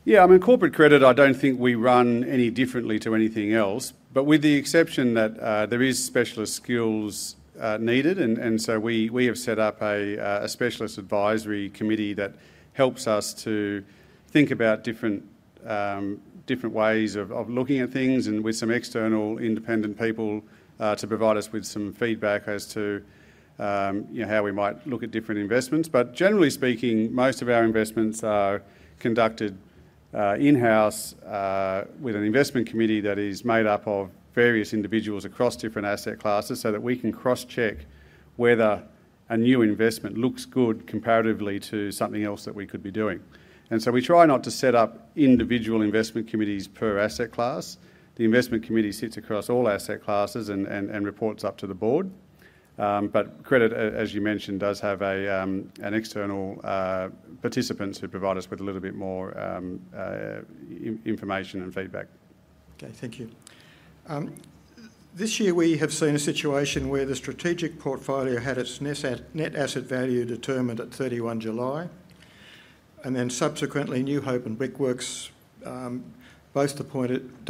Yeah, I mean, corporate credit, I don't think we run any differently to anything else, but with the exception that there are specialist skills needed. And so we have set up a specialist advisory committee that helps us to think about different ways of looking at things and with some external independent people to provide us with some feedback as to how we might look at different investments. But generally speaking, most of our investments are conducted in-house with an investment committee that is made up of various individuals across different asset classes so that we can cross-check whether a new investment looks good comparatively to something else that we could be doing. And so we try not to set up individual investment committees per asset class. The investment committee sits across all asset classes and reports up to the Board. But credit, as you mentioned, does have an external participant who provides us with a little bit more information and feedback. Okay, thank you. This year, we have seen a situation where the strategic portfolio had its net asset value determined at 31 July. And then subsequently, New Hope and Brickworks both reported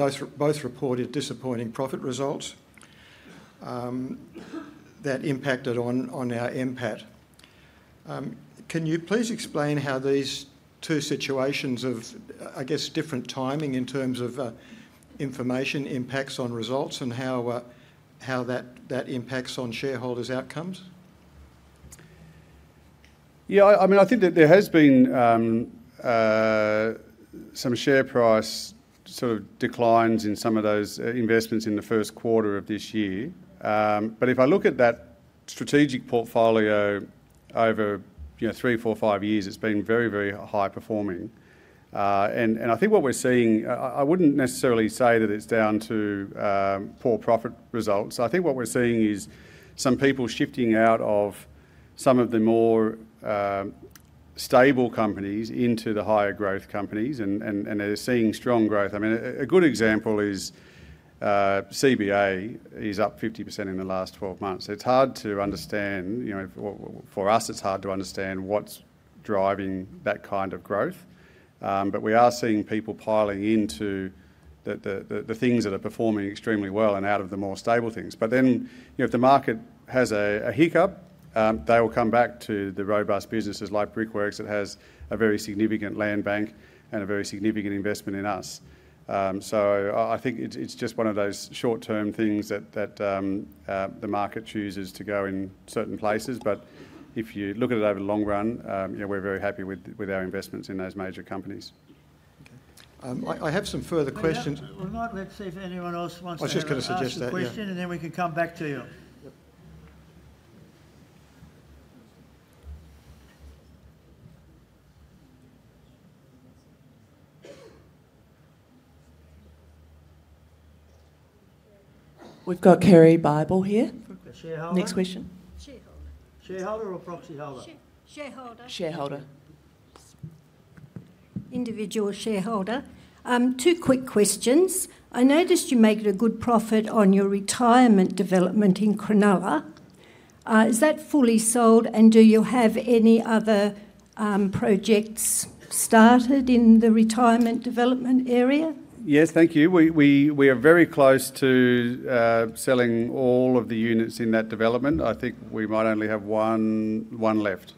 disappointing profit results that impacted on our NPAT. Can you please explain how these two situations of, I guess, different timing in terms of information impacts on results and how that impacts on shareholders' outcomes? Yeah, I mean, I think that there has been some share price sort of declines in some of those investments in the first quarter of this year. But if I look at that strategic portfolio over three, four, five years, it's been very, very high-performing. And I think what we're seeing, I wouldn't necessarily say that it's down to poor profit results. I think what we're seeing is some people shifting out of some of the more stable companies into the higher growth companies, and they're seeing strong growth. I mean, a good example is CBA is up 50% in the last 12 months. It's hard to understand. For us, it's hard to understand what's driving that kind of growth. But we are seeing people piling into the things that are performing extremely well and out of the more stable things. But then if the market has a hiccup, they will come back to the robust businesses like Brickworks that has a very significant land bank and a very significant investment in us. So I think it's just one of those short-term things that the market chooses to go in certain places. But if you look at it over the long run, we're very happy with our investments in those major companies. I have some further questions. Let's see if anyone else wants to ask a question, and then we can come back to you. We've got Carrie Bible here. Next question. Shareholder. Shareholder or proxy holder? Shareholder. Two quick questions. I noticed you make a good profit on your retirement development in Cronulla. Is that fully sold, and do you have any other projects started in the retirement development area? Yes, thank you. We are very close to selling all of the units in that development. I think we might only have one left.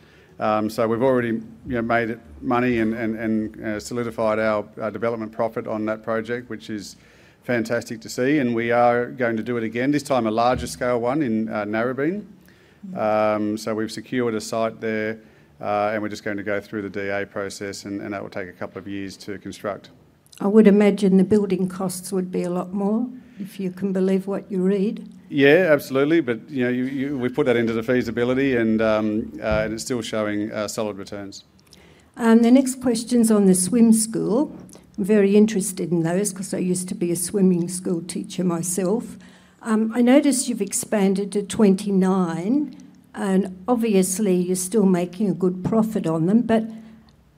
So we've already made money and solidified our development profit on that project, which is fantastic to see. And we are going to do it again, this time a larger scale one in Narrabeen. So we've secured a site there, and we're just going to go through the DA process, and that will take a couple of years to construct. I would imagine the building costs would be a lot more if you can believe what you read. Yeah, absolutely. But we've put that into the feasibility, and it's still showing solid returns. The next question's on the swim school. I'm very interested in those because I used to be a swimming school teacher myself. I noticed you've expanded to 29, and obviously, you're still making a good profit on them.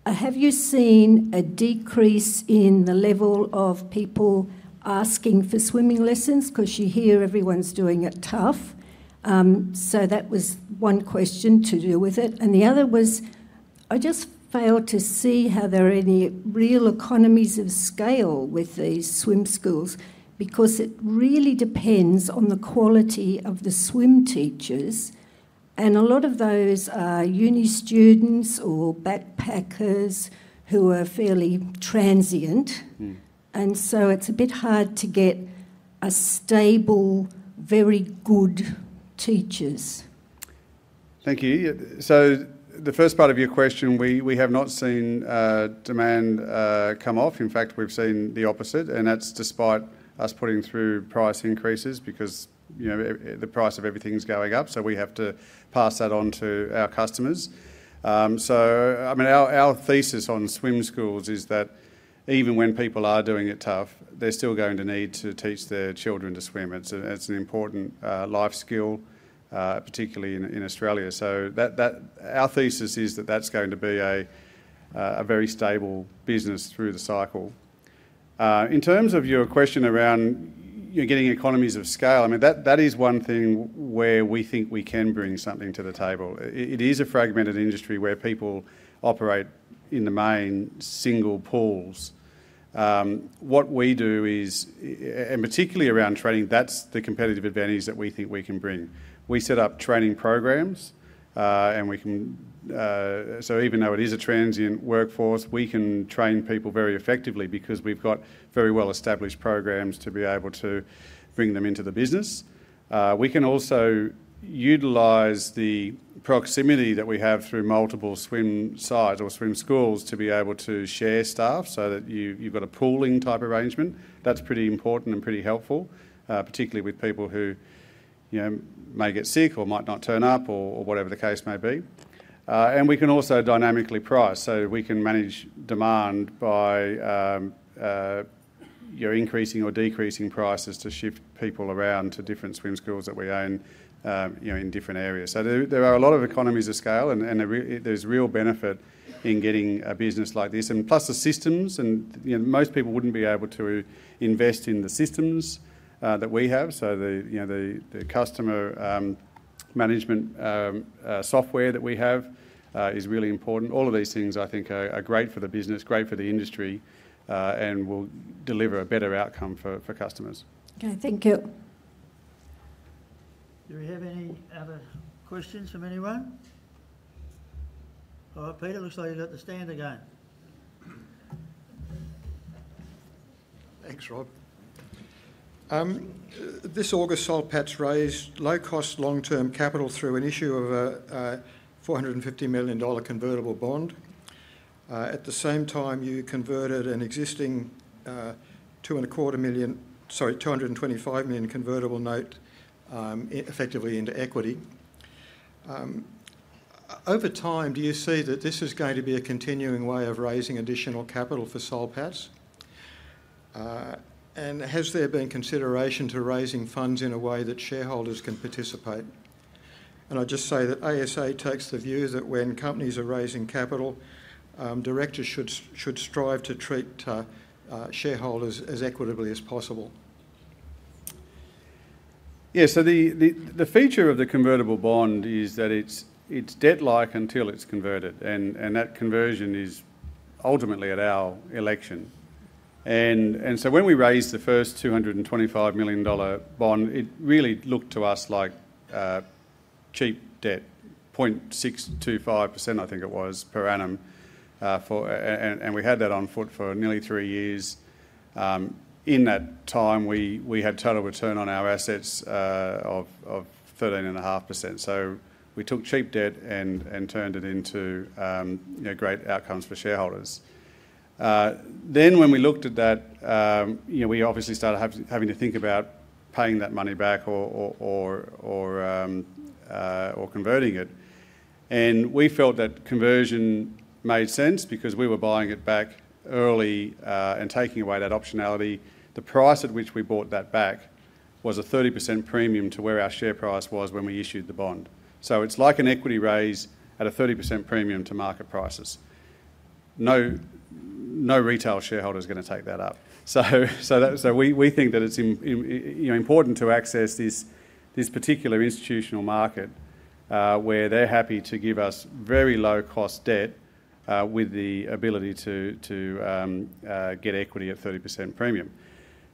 But have you seen a decrease in the level of people asking for swimming lessons? Because you hear everyone's doing it tough. So that was one question to do with it. And the other was, I just fail to see how there are any real economies of scale with these swim schools because it really depends on the quality of the swim teachers. And a lot of those are uni students or backpackers who are fairly transient. And so it's a bit hard to get a stable, very good teachers. Thank you. So the first part of your question, we have not seen demand come off. In fact, we've seen the opposite. And that's despite us putting through price increases because the price of everything's going up, so we have to pass that on to our customers. So I mean, our thesis on swim schools is that even when people are doing it tough, they're still going to need to teach their children to swim. It's an important life skill, particularly in Australia. So our thesis is that that's going to be a very stable business through the cycle. In terms of your question around getting economies of scale, I mean, that is one thing where we think we can bring something to the table. It is a fragmented industry where people operate in the main single pools. What we do is, and particularly around training, that's the competitive advantage that we think we can bring. We set up training programs, and we can so even though it is a transient workforce, we can train people very effectively because we've got very well-established programs to be able to bring them into the business. We can also utilize the proximity that we have through multiple swim sites or swim schools to be able to share staff so that you've got a pooling type arrangement. That's pretty important and pretty helpful, particularly with people who may get sick or might not turn up or whatever the case may be. And we can also dynamically price. So we can manage demand by increasing or decreasing prices to shift people around to different swim schools that we own in different areas. So there are a lot of economies of scale, and there's real benefit in getting a business like this. And plus the systems, and most people wouldn't be able to invest in the systems that we have. So the customer management software that we have is really important. All of these things, I think, are great for the business, great for the industry, and will deliver a better outcome for customers. Okay, thank you. Do we have any other questions from anyone? All right, Peter, it looks like you've got the stand again. Thanks, Rob. This August, Soul Pattinson raised low-cost long-term capital through an issue of a 450 million dollar convertible bond. At the same time, you converted an existing 2.25 million, sorry, 225 million convertible note effectively into equity. Over time, do you see that this is going to be a continuing way of raising additional capital for Soul Pattinson? And has there been consideration to raising funds in a way that shareholders can participate? And I just say that ASA takes the view that when companies are raising capital, directors should strive to treat shareholders as equitably as possible. Yeah, so the feature of the convertible bond is that it's debt-like until it's converted. And that conversion is ultimately at our election. And so when we raised the first 225 million dollar bond, it really looked to us like cheap debt, 0.625%, I think it was, per annum. And we had that on foot for nearly three years. In that time, we had total return on our assets of 13.5%. So we took cheap debt and turned it into great outcomes for shareholders. Then when we looked at that, we obviously started having to think about paying that money back or converting it. And we felt that conversion made sense because we were buying it back early and taking away that optionality. The price at which we bought that back was a 30% premium to where our share price was when we issued the bond. It's like an equity raise at a 30% premium to market prices. No retail shareholder is going to take that up. We think that it's important to access this particular institutional market where they're happy to give us very low-cost debt with the ability to get equity at 30% premium.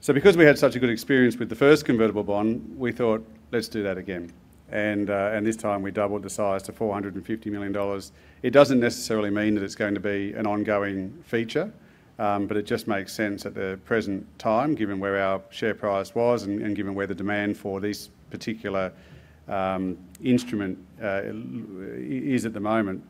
Because we had such a good experience with the first convertible bond, we thought, let's do that again. And this time, we doubled the size to 450 million dollars. It doesn't necessarily mean that it's going to be an ongoing feature, but it just makes sense at the present time, given where our share price was and given where the demand for this particular instrument is at the moment.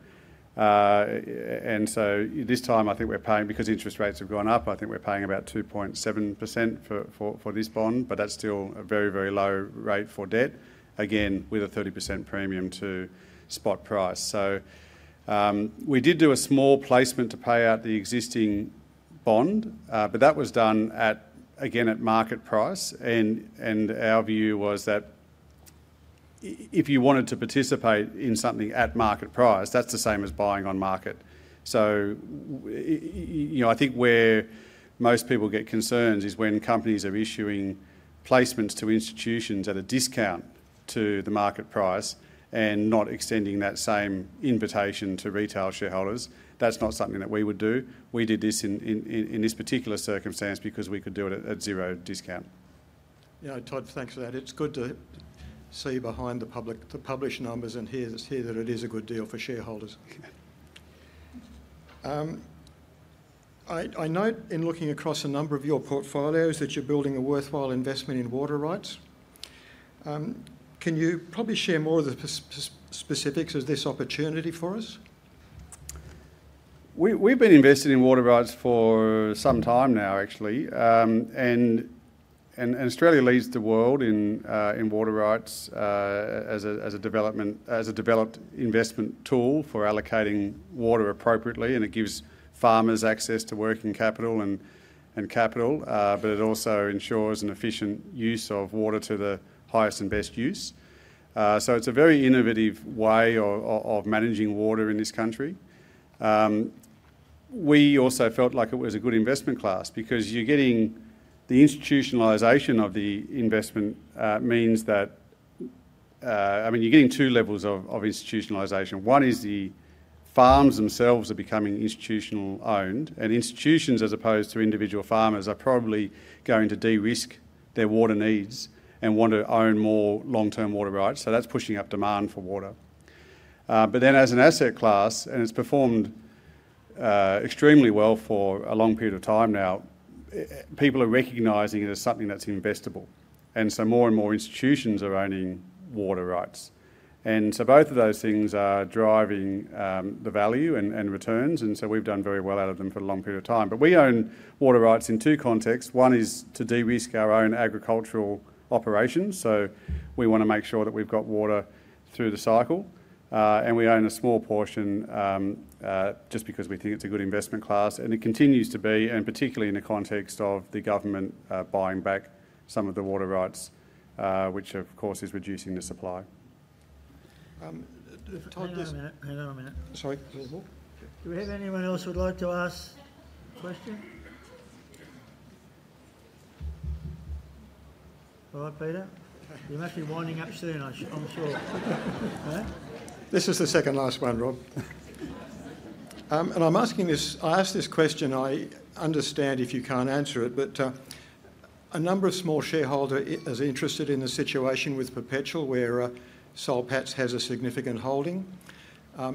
And so this time, I think we're paying because interest rates have gone up. I think we're paying about 2.7% for this bond, but that's still a very, very low rate for debt, again, with a 30% premium to spot price. So we did do a small placement to pay out the existing bond, but that was done, again, at market price. And our view was that if you wanted to participate in something at market price, that's the same as buying on market. So I think where most people get concerned is when companies are issuing placements to institutions at a discount to the market price and not extending that same invitation to retail shareholders. That's not something that we would do. We did this in this particular circumstance because we could do it at zero discount. Yeah, Todd, thanks for that. It's good to see behind the published numbers and hear that it is a good deal for shareholders. I note in looking across a number of your portfolios that you're building a worthwhile investment in water rights. Can you probably share more of the specifics of this opportunity for us? We've been invested in water rights for some time now, actually. And Australia leads the world in water rights as a developed investment tool for allocating water appropriately. And it gives farmers access to working capital and capital, but it also ensures an efficient use of water to the highest and best use. So it's a very innovative way of managing water in this country. We also felt like it was a good investment class because the institutionalization of the investment means that, I mean, you're getting two levels of institutionalization. One is the farms themselves are becoming institutional-owned, and institutions, as opposed to individual farmers, are probably going to de-risk their water needs and want to own more long-term water rights. So that's pushing up demand for water. But then as an asset class, and it's performed extremely well for a long period of time now, people are recognizing it as something that's investable. And so more and more institutions are owning water rights. And so both of those things are driving the value and returns. And so we've done very well out of them for a long period of time. But we own water rights in two contexts. One is to de-risk our own agricultural operations. So we want to make sure that we've got water through the cycle. And we own a small portion just because we think it's a good investment class. And it continues to be, and particularly in the context of the government buying back some of the water rights, which, of course, is reducing the supply. Hang on a minute. Sorry. Do we have anyone else who would like to ask a question? All right, Peter. You must be winding up soon, I'm sure. This was the second last one, Rob. I asked this question. I understand if you can't answer it, but a number of small shareholders are interested in the situation with Perpetual where Soul Pattinson has a significant holding.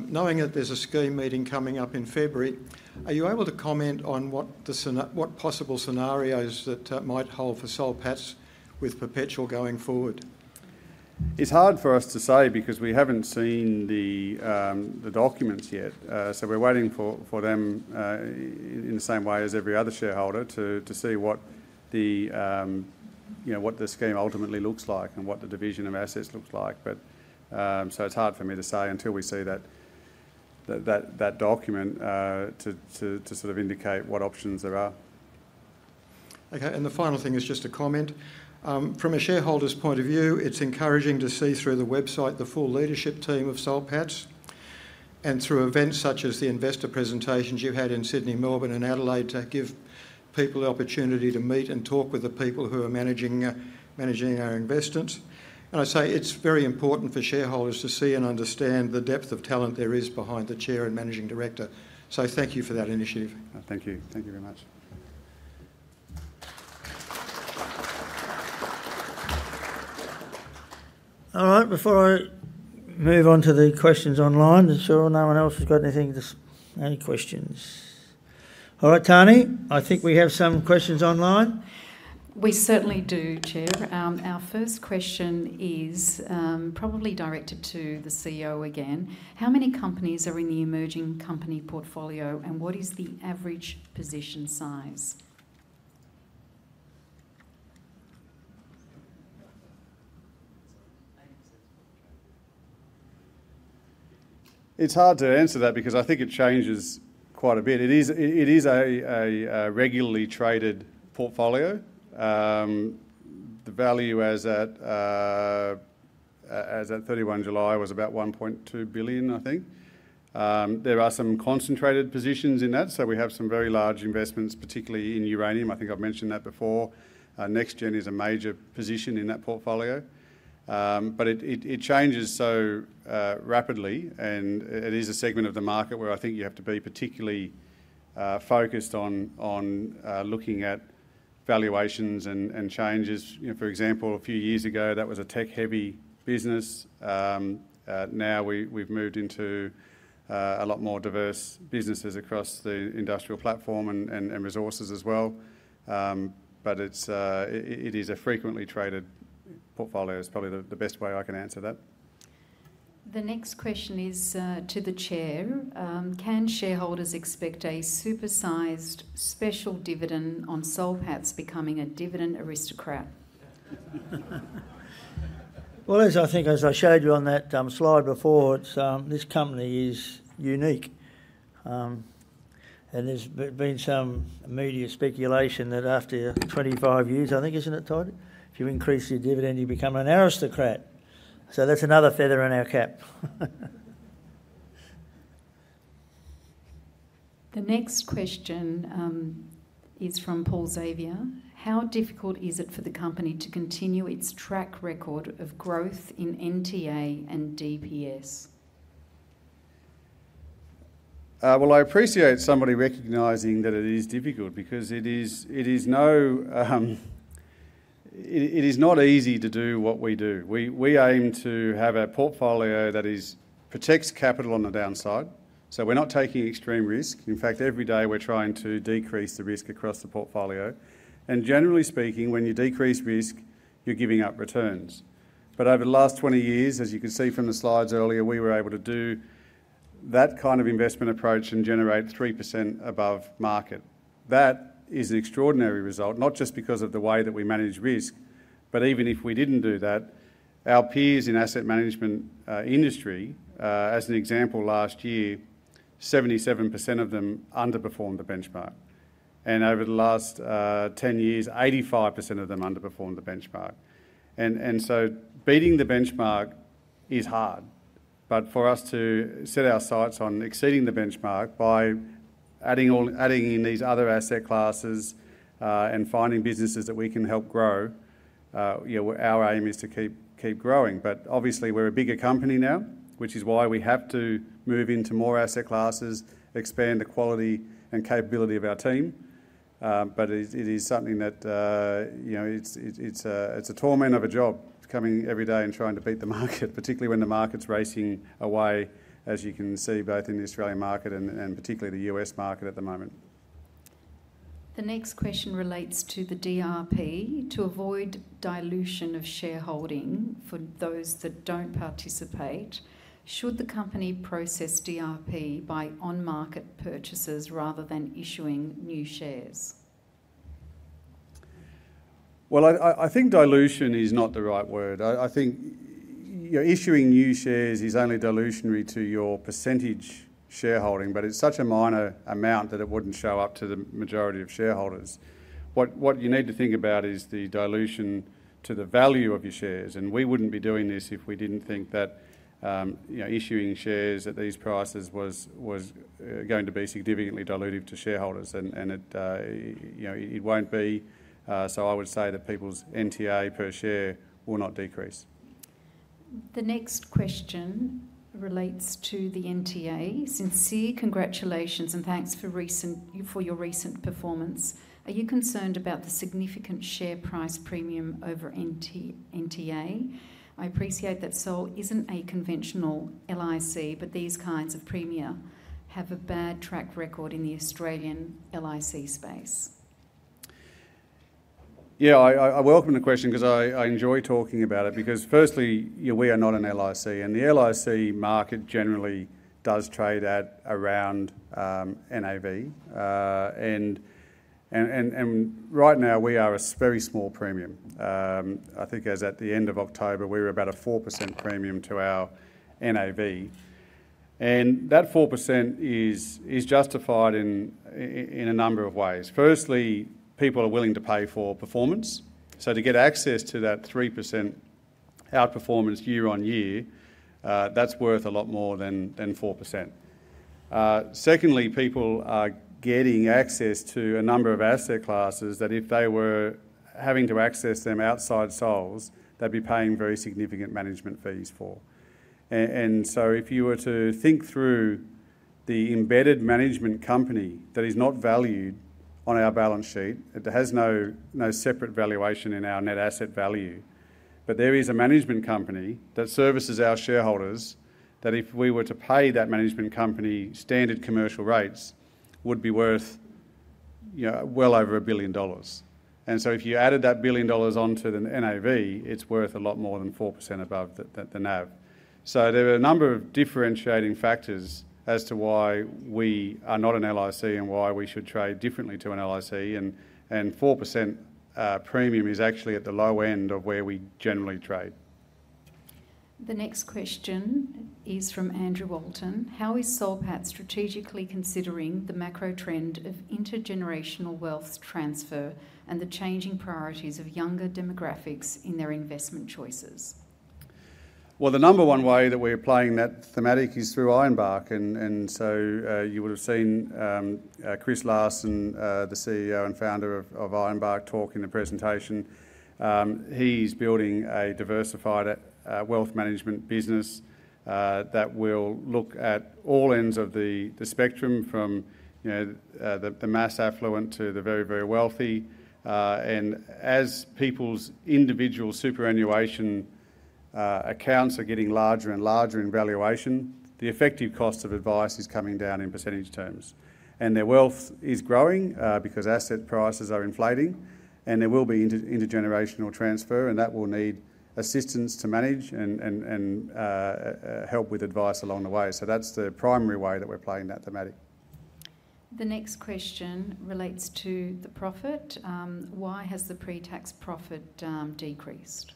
Knowing that there's a scheme meeting coming up in February, are you able to comment on what possible scenarios that might hold for Soul Pattinson with Perpetual going forward? It's hard for us to say because we haven't seen the documents yet. We're waiting for them in the same way as every other shareholder to see what the scheme ultimately looks like and what the division of assets looks like, but so it's hard for me to say until we see that document to sort of indicate what options there are. Okay, and the final thing is just a comment. From a shareholder's point of view, it's encouraging to see through the website the full leadership team of Soul Pattinson and through events such as the investor presentations you've had in Sydney, Melbourne, and Adelaide to give people the opportunity to meet and talk with the people who are managing our investments. And I say it's very important for shareholders to see and understand the depth of talent there is behind the chair and managing director. So thank you for that initiative. Thank you. Thank you very much. All right, before I move on to the questions online, to ensure no one else has got any questions. All right, Tanny, I think we have some questions online. We certainly do, Chair. Our first question is probably directed to the CEO again. How many companies are in the emerging company portfolio, and what is the average position size? It's hard to answer that because I think it changes quite a bit. It is a regularly traded portfolio. The value as at 31 July was about 1.2 billion, I think. There are some concentrated positions in that. So we have some very large investments, particularly in uranium. I think I've mentioned that before. NexGen is a major position in that portfolio. But it changes so rapidly, and it is a segment of the market where I think you have to be particularly focused on looking at valuations and changes. For example, a few years ago, that was a tech-heavy business. Now we've moved into a lot more diverse businesses across the industrial platform and resources as well. But it is a frequently traded portfolio. It's probably the best way I can answer that. The next question is to the Chair. Can shareholders expect a supersized special dividend on Soul Pattinson becoming a Dividend Aristocrat? Well, I think as I showed you on that slide before, this company is unique. And there's been some media speculation that after 25 years, I think, isn't it, Todd? If you increase your dividend, you become an aristocrat. So that's another feather in our cap. The next question is from Paul Xavier. How difficult is it for the company to continue its track record of growth in NTA and DPS? Well, I appreciate somebody recognizing that it is difficult because it is not easy to do what we do. We aim to have a portfolio that protects capital on the downside. So we're not taking extreme risk. In fact, every day we're trying to decrease the risk across the portfolio. And generally speaking, when you decrease risk, you're giving up returns. But over the last 20 years, as you could see from the slides earlier, we were able to do that kind of investment approach and generate 3% above market. That is an extraordinary result, not just because of the way that we manage risk, but even if we didn't do that, our peers in asset management industry, as an example, last year, 77% of them underperformed the benchmark. And over the last 10 years, 85% of them underperformed the benchmark. And so beating the benchmark is hard. But for us to set our sights on exceeding the benchmark by adding in these other asset classes and finding businesses that we can help grow, our aim is to keep growing. But obviously, we're a bigger company now, which is why we have to move into more asset classes, expand the quality and capability of our team. But it is something that it's a torment of a job coming every day and trying to beat the market, particularly when the market's racing away, as you can see both in the Australian market and particularly the U.S. market at the moment. The next question relates to the DRP. To avoid dilution of shareholding for those that don't participate, should the company process DRP by on-market purchases rather than issuing new shares? I think dilution is not the right word. I think issuing new shares is only dilutive to your percentage shareholding, but it's such a minor amount that it wouldn't show up to the majority of shareholders. What you need to think about is the dilution to the value of your shares. We wouldn't be doing this if we didn't think that issuing shares at these prices was going to be significantly dilutive to shareholders. It won't be. I would say that people's NTA per share will not decrease. The next question relates to the NTA. Sincere congratulations and thanks for your recent performance. Are you concerned about the significant share price premium over NTA? I appreciate that Soul isn't a conventional LIC, but these kinds of premium have a bad track record in the Australian LIC space. Yeah, I welcome the question because I enjoy talking about it because, firstly, we are not an LIC, and the LIC market generally does trade at around NAV. And right now, we are a very small premium. I think as at the end of October, we were about a 4% premium to our NAV. And that 4% is justified in a number of ways. Firstly, people are willing to pay for performance. So to get access to that 3% outperformance year-on-year, that's worth a lot more than 4%. Secondly, people are getting access to a number of asset classes that if they were having to access them outside Soul's, they'd be paying very significant management fees for. And so if you were to think through the embedded management company that is not valued on our balance sheet, it has no separate valuation in our net asset value. But there is a management company that services our shareholders that if we were to pay that management company standard commercial rates, would be worth well over 1 billion dollars. And so if you added that 1 billion dollars onto the NAV, it's worth a lot more than 4% above the NAV. So there are a number of differentiating factors as to why we are not an LIC and why we should trade differently to an LIC. And 4% premium is actually at the low end of where we generally trade. The next question is from Andrew Walton. How is Soul Pattinson strategically considering the macro trend of intergenerational wealth transfer and the changing priorities of younger demographics in their investment choices? The number one way that we're playing that thematic is through Ironbark. And so you would have seen Chris Larsen, the CEO and Founder of Ironbark, talk in the presentation. He's building a diversified wealth management business that will look at all ends of the spectrum from the mass affluent to the very, very wealthy. And as people's individual superannuation accounts are getting larger and larger in valuation, the effective cost of advice is coming down in percentage terms. And their wealth is growing because asset prices are inflating. And there will be intergenerational transfer, and that will need assistance to manage and help with advice along the way. So that's the primary way that we're playing that thematic. The next question relates to the profit. Why has the pre-tax profit decreased?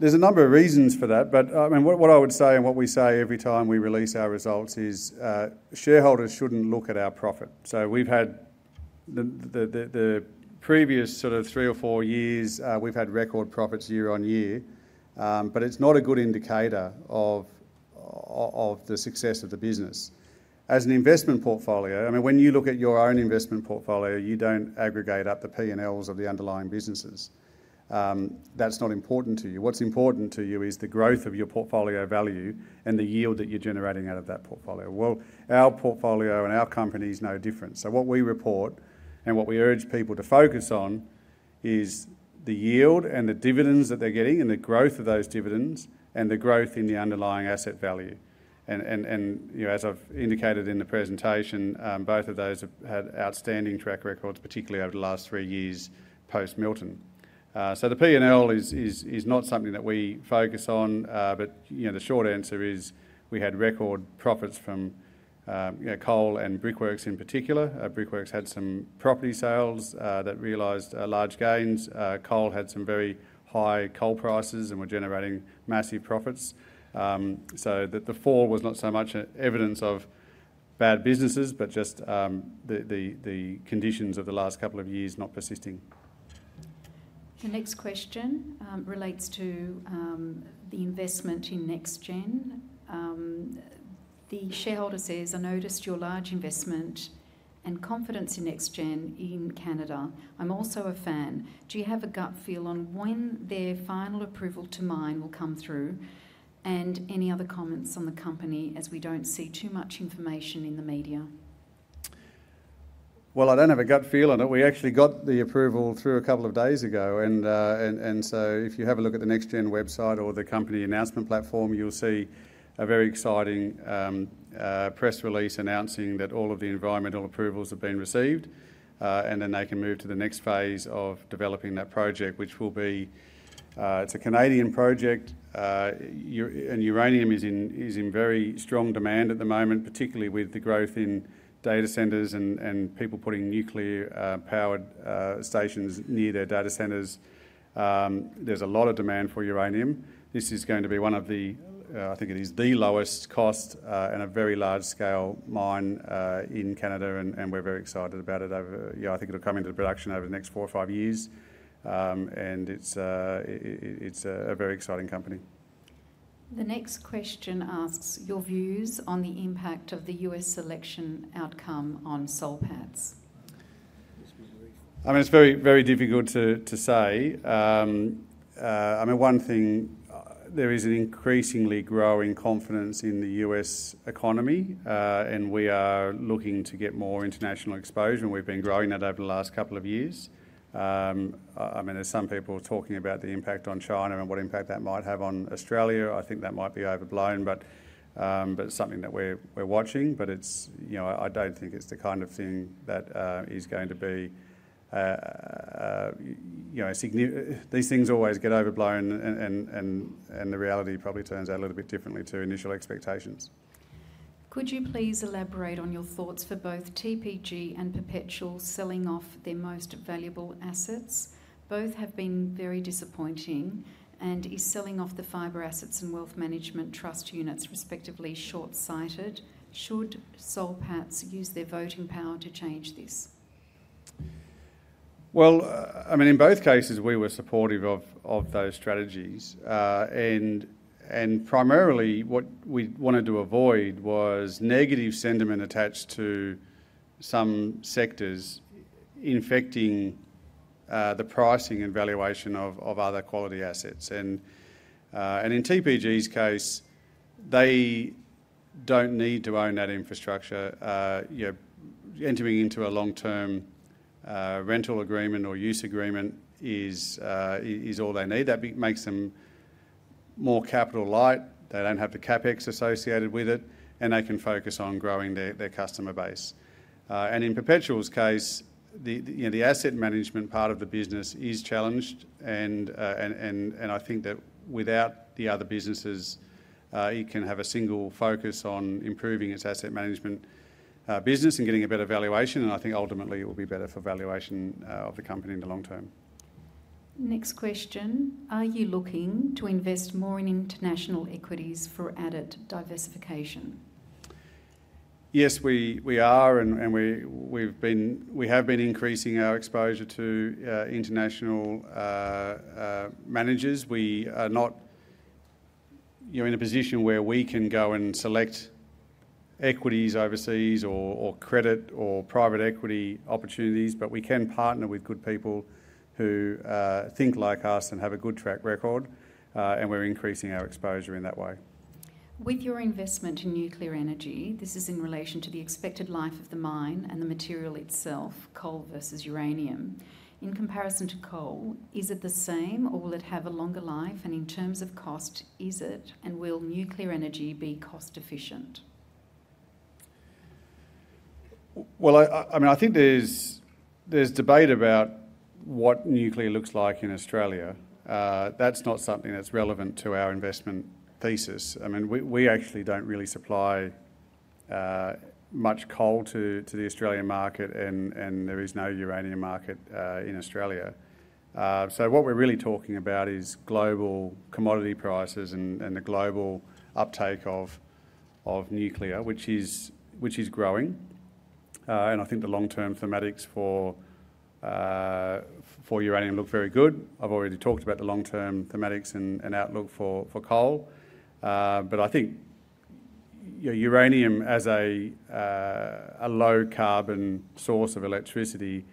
There's a number of reasons for that. But I mean, what I would say and what we say every time we release our results is shareholders shouldn't look at our profit. So we've had the previous sort of three or four years, we've had record profits year-on-year. But it's not a good indicator of the success of the business. As an investment portfolio, I mean, when you look at your own investment portfolio, you don't aggregate up the P&Ls of the underlying businesses. That's not important to you. What's important to you is the growth of your portfolio value and the yield that you're generating out of that portfolio. Well, our portfolio and our company is no different. What we report and what we urge people to focus on is the yield and the dividends that they're getting and the growth of those dividends and the growth in the underlying asset value. And as I've indicated in the presentation, both of those have had outstanding track records, particularly over the last three years post Milton. The P&L is not something that we focus on. But the short answer is we had record profits from coal and Brickworks in particular. Brickworks had some property sales that realized large gains. Coal had some very high coal prices and were generating massive profits. The fall was not so much evidence of bad businesses, but just the conditions of the last couple of years not persisting. The next question relates to the investment in NexGen. The shareholder says, "I noticed your large investment and confidence in NexGen in Canada. I'm also a fan. Do you have a gut feel on when their final approval to mine will come through? And any other comments on the company as we don't see too much information in the media? I don't have a gut feel on it. We actually got the approval through a couple of days ago. If you have a look at the NexGen website or the company announcement platform, you'll see a very exciting press release announcing that all of the environmental approvals have been received. Then they can move to the next phase of developing that project, which will be it's a Canadian project. Uranium is in very strong demand at the moment, particularly with the growth in data centers and people putting nuclear-powered stations near their data centers. There's a lot of demand for uranium. This is going to be one of the, I think it is the lowest cost and a very large-scale mine in Canada. We're very excited about it. I think it'll come into production over the next four or five years. It's a very exciting company. The next question asks your views on the impact of the U.S. election outcome on Soul Pattinson. I mean, it's very difficult to say. I mean, one thing, there is an increasingly growing confidence in the U.S. economy. And we are looking to get more international exposure. And we've been growing that over the last couple of years. I mean, there's some people talking about the impact on China and what impact that might have on Australia. I think that might be overblown, but it's something that we're watching. But I don't think it's the kind of thing that is going to be these things always get overblown. And the reality probably turns out a little bit differently to initial expectations. Could you please elaborate on your thoughts for both TPG and Perpetual selling off their most valuable assets? Both have been very disappointing. And is selling off the fiber assets and wealth management trust units respectively short-sighted? Should Soul Pattinson use their voting power to change this? Well, I mean, in both cases, we were supportive of those strategies. And primarily, what we wanted to avoid was negative sentiment attached to some sectors infecting the pricing and valuation of other quality assets. And in TPG's case, they don't need to own that infrastructure. Entering into a long-term rental agreement or use agreement is all they need. That makes them more capital light. They don't have the CapEx associated with it. And they can focus on growing their customer base. And in Perpetual's case, the asset management part of the business is challenged. And I think that without the other businesses, it can have a single focus on improving its asset management business and getting a better valuation. And I think ultimately, it will be better for valuation of the company in the long term. Next question. Are you looking to invest more in international equities for added diversification? Yes, we are. And we have been increasing our exposure to international managers. We are not in a position where we can go and select equities overseas or credit or private equity opportunities. But we can partner with good people who think like us and have a good track record. And we're increasing our exposure in that way. With your investment in nuclear energy, this is in relation to the expected life of the mine and the material itself, coal versus uranium. In comparison to coal, is it the same or will it have a longer life? And in terms of cost, is it? And will nuclear energy be cost-efficient? I mean, I think there's debate about what nuclear looks like in Australia. That's not something that's relevant to our investment thesis. I mean, we actually don't really supply much coal to the Australian market, and there is no uranium market in Australia. So what we're really talking about is global commodity prices and the global uptake of nuclear, which is growing, and I think the long-term thematics for uranium look very good. I've already talked about the long-term thematics and outlook for coal, but I think uranium as a low-carbon source of electricity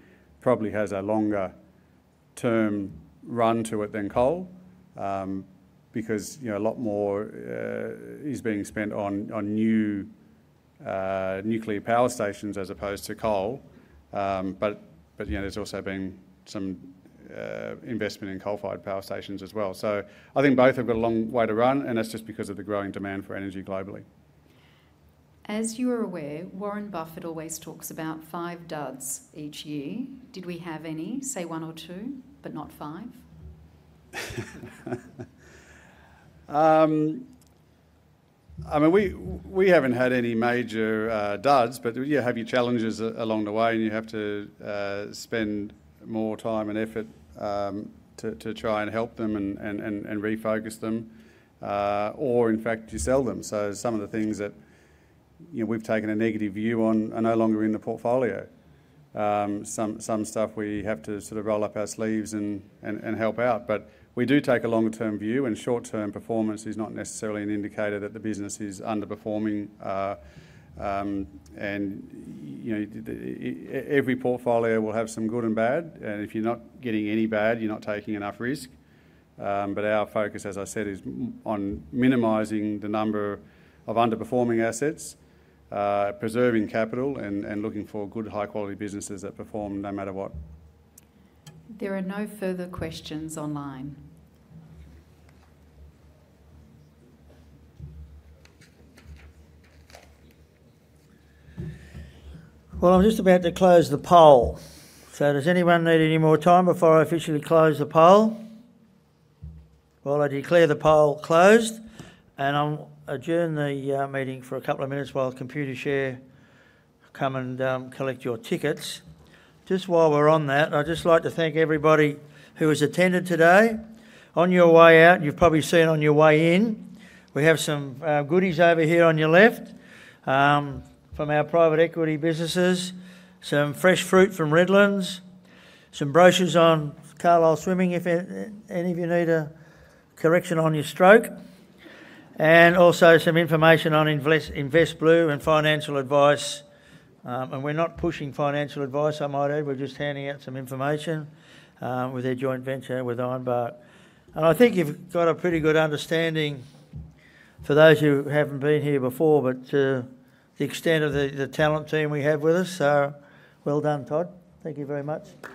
probably has a longer-term run to it than coal because a lot more is being spent on new nuclear power stations as opposed to coal, but there's also been some investment in coal-fired power stations as well, so I think both have got a long way to run. That's just because of the growing demand for energy globally. As you are aware, Warren Buffett always talks about five duds each year. Did we have any, say one or two, but not five? I mean, we haven't had any major duds, but you have your challenges along the way, and you have to spend more time and effort to try and help them and refocus them, or in fact, you sell them, so some of the things that we've taken a negative view on are no longer in the portfolio. Some stuff we have to sort of roll up our sleeves and help out, but we do take a long-term view, and short-term performance is not necessarily an indicator that the business is underperforming, and every portfolio will have some good and bad, and if you're not getting any bad, you're not taking enough risk, but our focus, as I said, is on minimizing the number of underperforming assets, preserving capital, and looking for good high-quality businesses that perform no matter what. There are no further questions online. I'm just about to close the poll. Does anyone need any more time before I officially close the poll? I declare the poll closed. I'll adjourn the meeting for a couple of minutes while Computershare come and collect your tickets. Just while we're on that, I'd just like to thank everybody who has attended today. On your way out, you've probably seen on your way in, we have some goodies over here on your left from our private equity businesses, some fresh fruit from Redlands, some brochures on Carlile Swimming if any of you need a correction on your stroke, and also some information on Invest Blue and financial advice. We're not pushing financial advice, I might add. We're just handing out some information with their joint venture with Ironbark. I think you've got a pretty good understanding for those who haven't been here before to the extent of the talent team we have with us. Well done, Todd. Thank you very much.